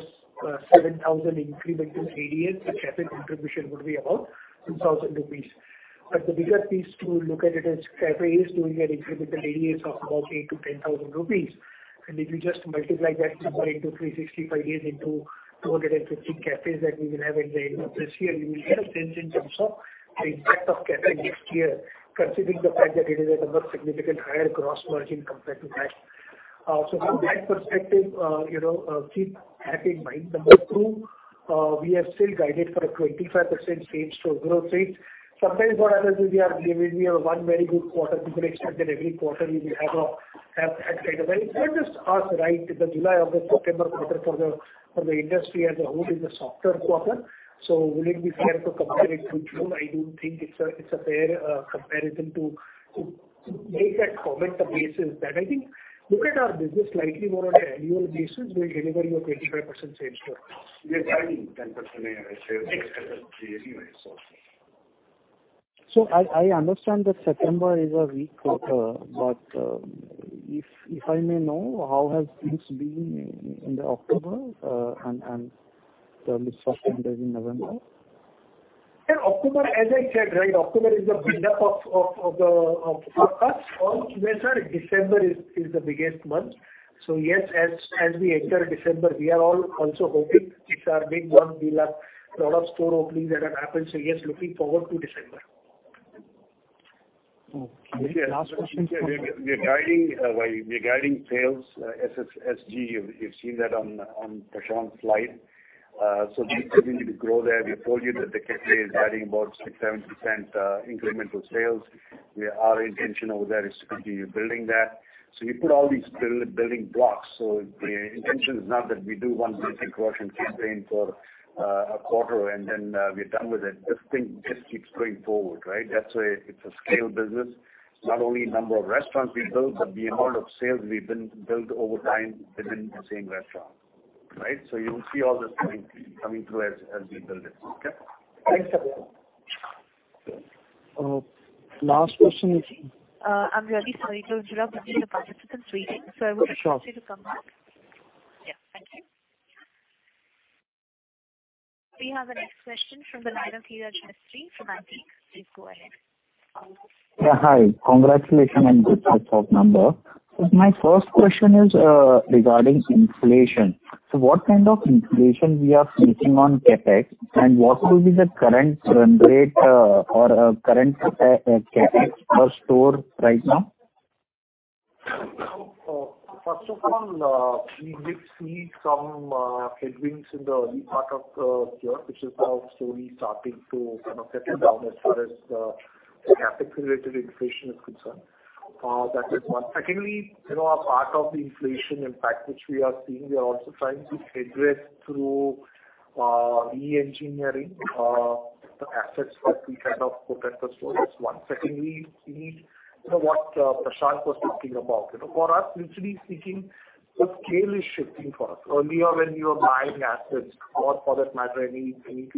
7,000 incremental ADS, the cafe contribution would be about 2,000 rupees. But the bigger piece to look at it as cafe is doing an incremental ADS of about 8,000-10,000 rupees. And if you just multiply that number into 365 days into 250 cafes that we will have at the end of this year, you will get a sense in terms of the impact of cafe next year, considering the fact that it is a number significant higher gross margin compared to that. From that perspective, you know, keep that in mind. Number two, we have still guided for a 25% same-store growth rate. Sometimes what happens is we have one very good quarter. People expect that every quarter we will have that kind of. It's not just us, right? The July or the September quarter for the industry as a whole is a softer quarter. Will it be fair to compare it with June? I do think it's a fair comparison to make that comment on the basis that I think look at our business slightly more on an annual basis. We'll deliver you a 25% same-store. We are guiding 10% AI share next quarter anyway, so. I understand that September is a weak quarter. If I may know, how have things been in the October, and the first 10 days in November? Yeah, October, as I said, right. October is the build-up of for us. All QSR, December is the biggest month. Yes, as we enter December, we are all also hoping it's our big month. We'll have a lot of store openings that have happened. Yes, looking forward to December. Okay. Last question. We are guiding sales SSG. You've seen that on Prashant's slide. We continue to grow there. We have told you that the cafe is adding about 6-7% incremental sales, where our intention over there is to continue building that. We put all these building blocks. The intention is not that we do one Hrithik Roshan campaign for a quarter and then we're done with it. This thing just keeps going forward, right? That's why it's a scale business. Not only number of restaurants we build, but the amount of sales we build over time within the same restaurant. Right? You will see all this coming through as we build it. Okay? Thanks, Sabyasachi Mukherjee. Last question. I'm really sorry to interrupt between the participants waiting. I would request you to come back. Yeah, thank you. We have the next question from the line of Niraj Chheda from ICICI. Please go ahead. Yeah, hi. Congratulations and good first half number. My first question is, regarding inflation. What kind of inflation we are facing on CapEx, and what will be the current run rate, or current CapEx per store right now? First of all, we did see some headwinds in the early part of the year, which is now slowly starting to kind of settle down as far as the capital related inflation is concerned. That is one. Secondly, you know, a part of the inflation impact which we are seeing, we are also trying to address through re-engineering the assets that we kind of put at the stores. That's one. Secondly, you know, what Prashant was talking about. You know, for us, literally speaking, the scale is shifting for us. Earlier when we were buying assets or for that matter, anything,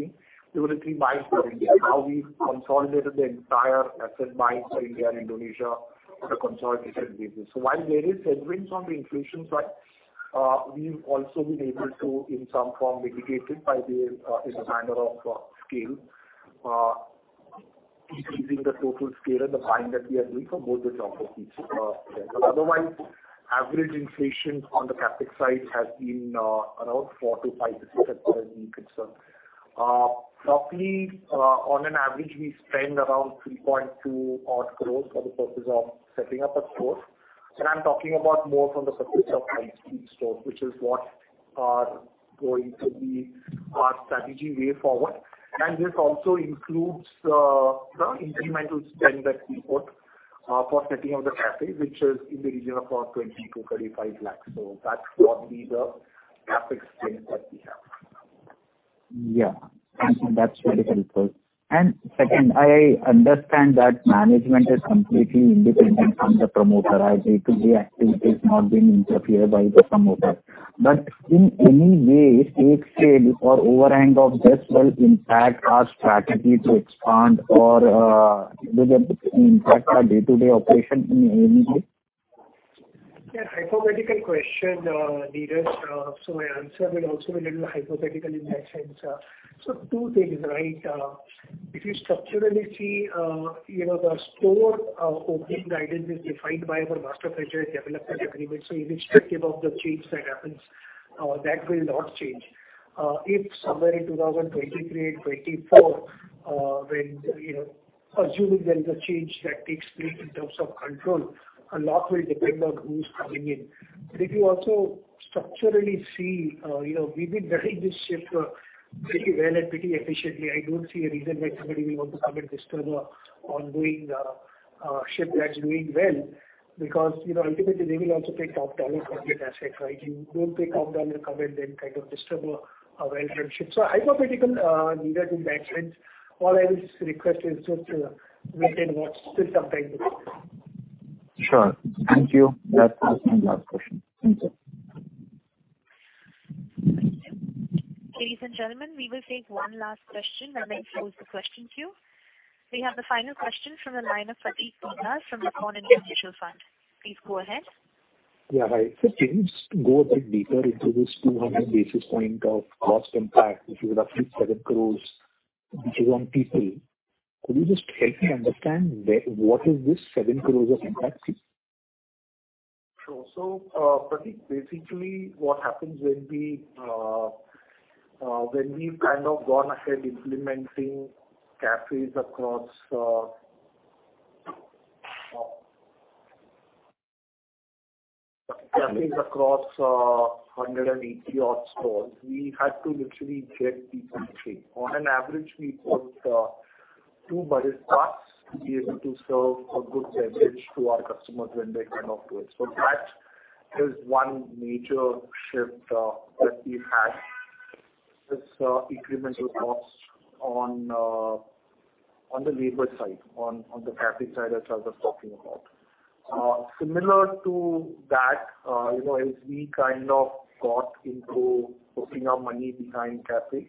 it would have been buys per India. Now we've consolidated the entire asset buys for India and Indonesia on a consolidated basis. While there is headwinds on the inflation front, we've also been able to in some form mitigate it by the, you know, manner of scale, increasing the total scale of the buying that we are doing for both the geographies. Otherwise, average inflation on the CapEx side has been around 4%-5% as far as we're concerned. Roughly, on an average, we spend around 3.2 odd crores for the purpose of setting up a store. I'm talking about more from the purpose of high street stores, which is what are going to be our strategy way forward. This also includes, you know, incremental spend that we put for setting up the cafe, which is in the region of 20-35 lakhs. That's roughly the CapEx spend that we have. Yeah. Thank you. That's really helpful. Second, I understand that management is completely independent from the promoter as day-to-day activity is not being interfered by the promoter. In any way, stake sale or overhang of this will impact our strategy to expand or, will it impact our day-to-day operation in any way? Yeah, hypothetical question, Neeraj. My answer will also be a little hypothetical in that sense. Two things, right? If you structurally see, you know, the store opening guidance is defined by the Master Franchise and Development Agreement. Irrespective of the change that happens, that will not change. If somewhere in 2023 and 2024, when, you know, assuming there is a change that takes place in terms of control, a lot will depend on who's coming in. If you also structurally see, you know, we've been driving this ship pretty well and pretty efficiently. I don't see a reason why somebody will want to come and disturb a ongoing ship that's doing well, because, you know, ultimately they will also pay top dollar for good asset, right? You don't pay top dollar to come and then kind of disturb a well-run ship. Hypothetical, Neeraj, in that sense. All I will request is just to wait and watch till something develops. Sure. Thank you. That was my last question. Thank you. Ladies and gentlemen, we will take one last question and then close the question queue. We have the final question from the line of Prateek Kumar from Gordon & Company Mutual Fund. Please go ahead. Yeah, hi. Let us, go a bit deeper into this 200 basis point of cost impact, which is roughly 7 crore, which is on people. Could you just help me understand what is this 7 crore of impact, please? Sure. Prateek, basically what happens when we've kind of gone ahead implementing cafes across 180 odd stores, we had to literally get people trained. On an average, we put 2 baristas to be able to serve a good beverage to our customers when they come up to it. That is one major shift that we've had this incremental cost on the labor side, on the cafe side, as I was just talking about. Similar to that, you know, as we kind of got into putting our money behind cafes,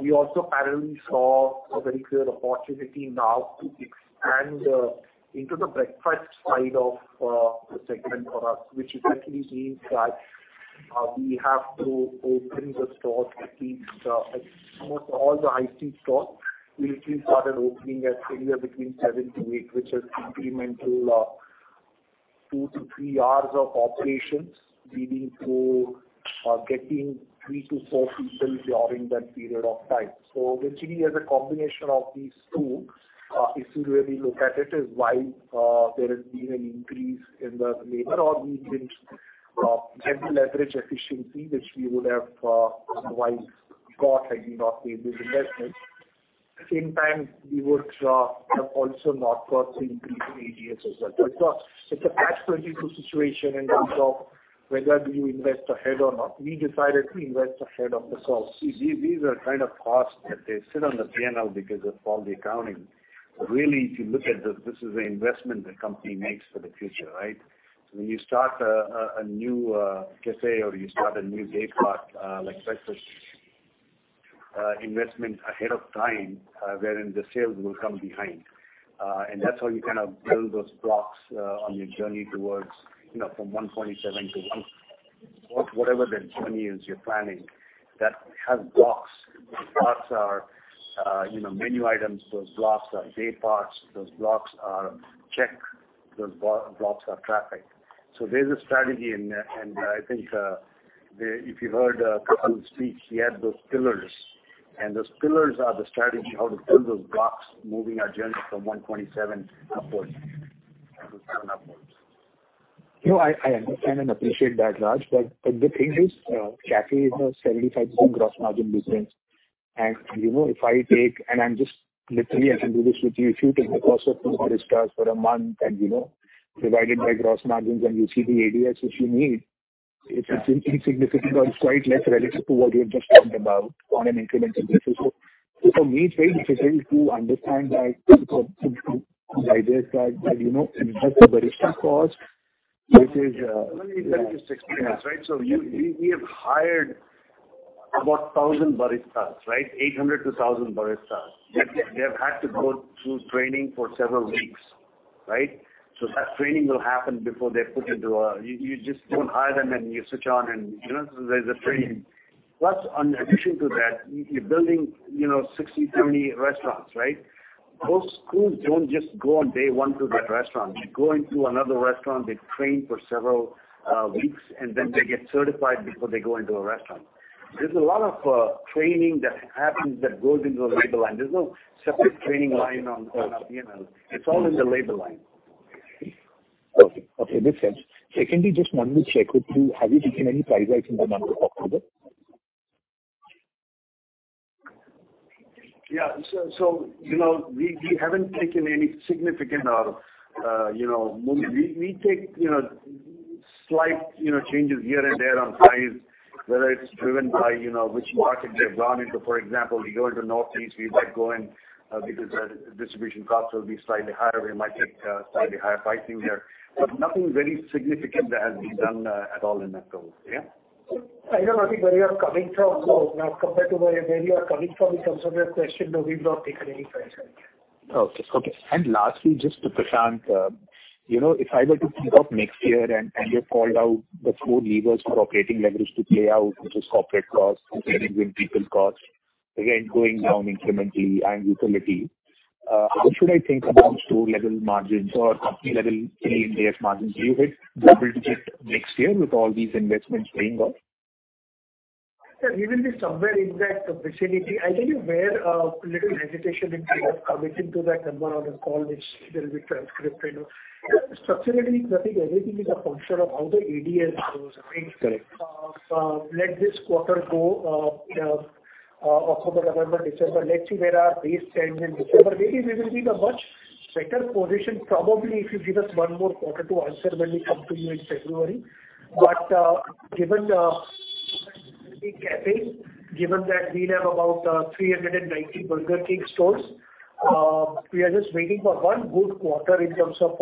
we also parallelly saw a very clear opportunity now to expand into the breakfast side of the segment for us, which essentially means that we have to open the stores at least, almost all the high street stores literally started opening at anywhere between 7-8, which is incremental 2-3 hours of operations, leading to getting 3-4 people during that period of time. Literally as a combination of these two, if you really look at it, is why there has been an increase in the labor or we didn't get the leverage efficiency which we would have otherwise got had we not made this investment. At the same time, we would have also not got the increase in ADS as well. It's a catch-22 situation in terms of whether do you invest ahead or not. We decided to invest ahead of the curve. See, these are kind of costs that they sit on the P&L because of all the accounting. But really, if you look at this is an investment the company makes for the future, right? When you start a new cafe or you start a new day part like breakfast, investment ahead of time, wherein the sales will come behind. And that's how you kind of build those blocks on your journey towards, you know, from 127 to whatever the journey is you're planning that has blocks. Those blocks are menu items. Those blocks are day parts. Those blocks are check. Those blocks are traffic. There's a strategy and I think if you heard Prashant's speech, he had those pillars. Those pillars are the strategy how to build those blocks moving our journey from 127 upwards. No, I understand and appreciate that, Raj. The thing is, Cafe is a 75% gross margin business. You know, if I take the cost of 2 baristas for a month and, you know, divide it by gross margins, and you see the ADS which you need, it's insignificant or it's quite less relative to what you have just talked about on an incremental basis. For me, it's very difficult to understand that because the idea is that, you know, if that's a barista cost, which is Let me tell you this experience, right? We have hired about 1,000 baristas, right? 800 to 1,000 baristas. They've had to go through training for several weeks, right? That training will happen before they're put into a restaurant. You just don't hire them and switch on. You know, there's a training. Plus, in addition to that, you're building, you know, 60, 70 restaurants, right? Those crews don't just go on day one to that restaurant. They go into another restaurant, they train for several weeks, and then they get certified before they go into a restaurant. There's a lot of training that happens that goes into a labor line. There's no separate training line on our P&L. It's all in the labor line. Okay, that's it. Secondly, just wanted to check with you, have you taken any price hikes in the month of October? Yeah. You know, we haven't taken any significant, you know. We take, you know, slight changes here and there on price, whether it's driven by, you know, which market we have gone into. For example, we go into Northeast, we might go in with slightly higher pricing there. Nothing very significant that has been done at all in October. Yeah. I don't know where you are coming from. As compared to where you are coming from in terms of your question, no, we've not taken any price hike. Okay. Lastly, just to Prashant, you know, if I were to think of next year and you called out the four levers for operating leverage to play out, which is corporate costs, including people costs, again, going down incrementally and utility, how should I think about store level margins or company level EBITDA margins? Do you think we're able to get next year with all these investments paying off? Sir, we will be somewhere in that vicinity. I'll tell you where there's little hesitation in kind of committing to that number on the call, which there'll be a transcript, you know. Structurally, I think everything is a function of how the ADS goes, right? Correct. Let this quarter go, you know, October, November, December. Let's see where our base stands in December. Maybe we will be in a much better position probably if you give us one more quarter to answer when we come to you in February. Given the Cafe, given that we have about 390 Burger King stores, we are just waiting for one good quarter in terms of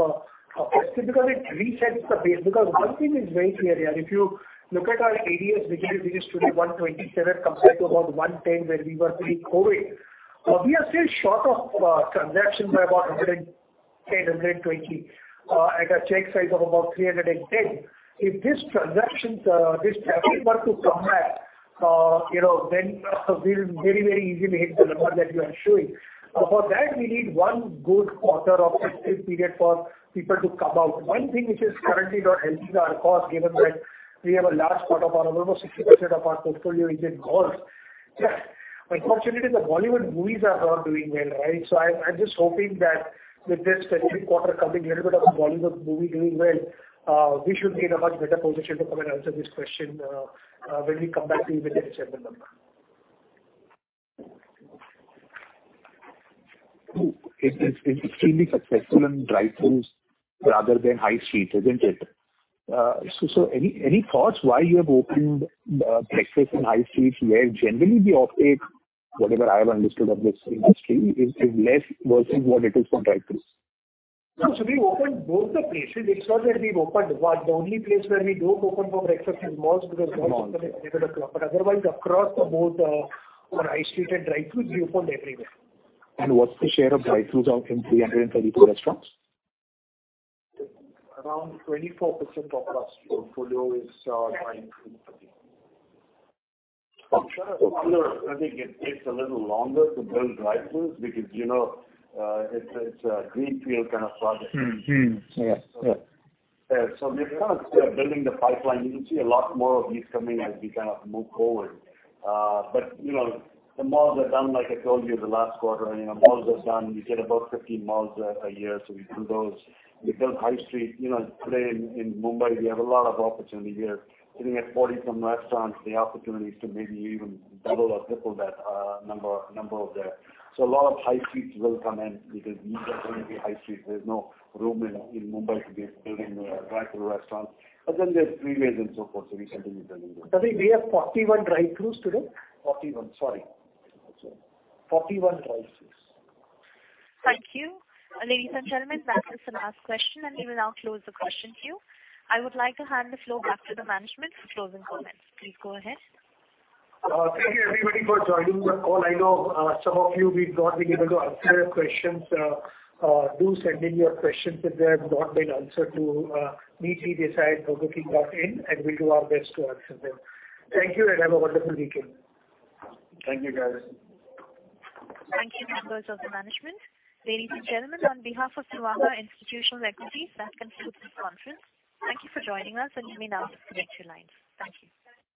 offensive because it resets the base. Because one thing is very clear, and if you look at our ADS, which has reduced to 127 compared to about 110 when we were pre-COVID, we are still short of transaction by about 110, 120 at a check size of about 310. If this traffic were to come back, you know, then we'll very, very easily hit the number that you are showing. For that, we need one good quarter of festive period for people to come out. One thing which is currently not helping our cause, given that we have a large part of our, almost 60% of our portfolio is in malls. Unfortunately, the Bollywood movies are not doing well, right. I'm just hoping that with this festive quarter coming, a little bit of a Bollywood movie doing well, we should be in a much better position to come and answer this question, when we come back to you with the December number. It is extremely successful in drive-throughs rather than high streets, isn't it? So any thoughts why you have opened breakfast in high streets where generally the uptake, whatever I have understood of this industry, is less versus what it is for drive-throughs? No. We opened both the places. It's not that we've opened one. The only place where we don't open for breakfast is malls because malls open a little late. Otherwise, across the board, for high street and drive-throughs, we opened everywhere. What's the share of drive-throughs out of 332 restaurants? Around 24% of our portfolio is drive-throughs. I'm sure. I think it takes a little longer to build drive-throughs because, you know, it's a greenfield kind of project. Mm-hmm. Yeah. Yeah. Yeah. We're kind of still building the pipeline. You will see a lot more of these coming as we kind of move forward. You know, the malls are done like I told you the last quarter. You know, malls are done. We did about 15 malls a year, so we've done those. We've done high street. You know, today in Mumbai, we have a lot of opportunity. We are sitting at 40-some restaurants. The opportunity is to maybe even double or triple that number of there. A lot of high streets will come in because these are going to be high street. There's no room in Mumbai to be building a drive-through restaurant. There's freeways and so forth, so we continue building those. Prashant, we have 41 drive-throughs today. 41. Sorry. 41 drive-throughs. Thank you. Ladies and gentlemen, that was the last question, and we will now close the question queue. I would like to hand the floor back to the management for closing comments. Please go ahead. Thank you everybody for joining the call. I know, some of you we've not been able to answer your questions. Do send in your questions if they have not been answered to, info@burgerking.in, and we'll do our best to answer them. Thank you, and have a wonderful weekend. Thank you, guys. Thank you, members of the management. Ladies and gentlemen, on behalf of Nomura Institutional Equities, that concludes this conference. Thank you for joining us, and you may now disconnect your lines. Thank you.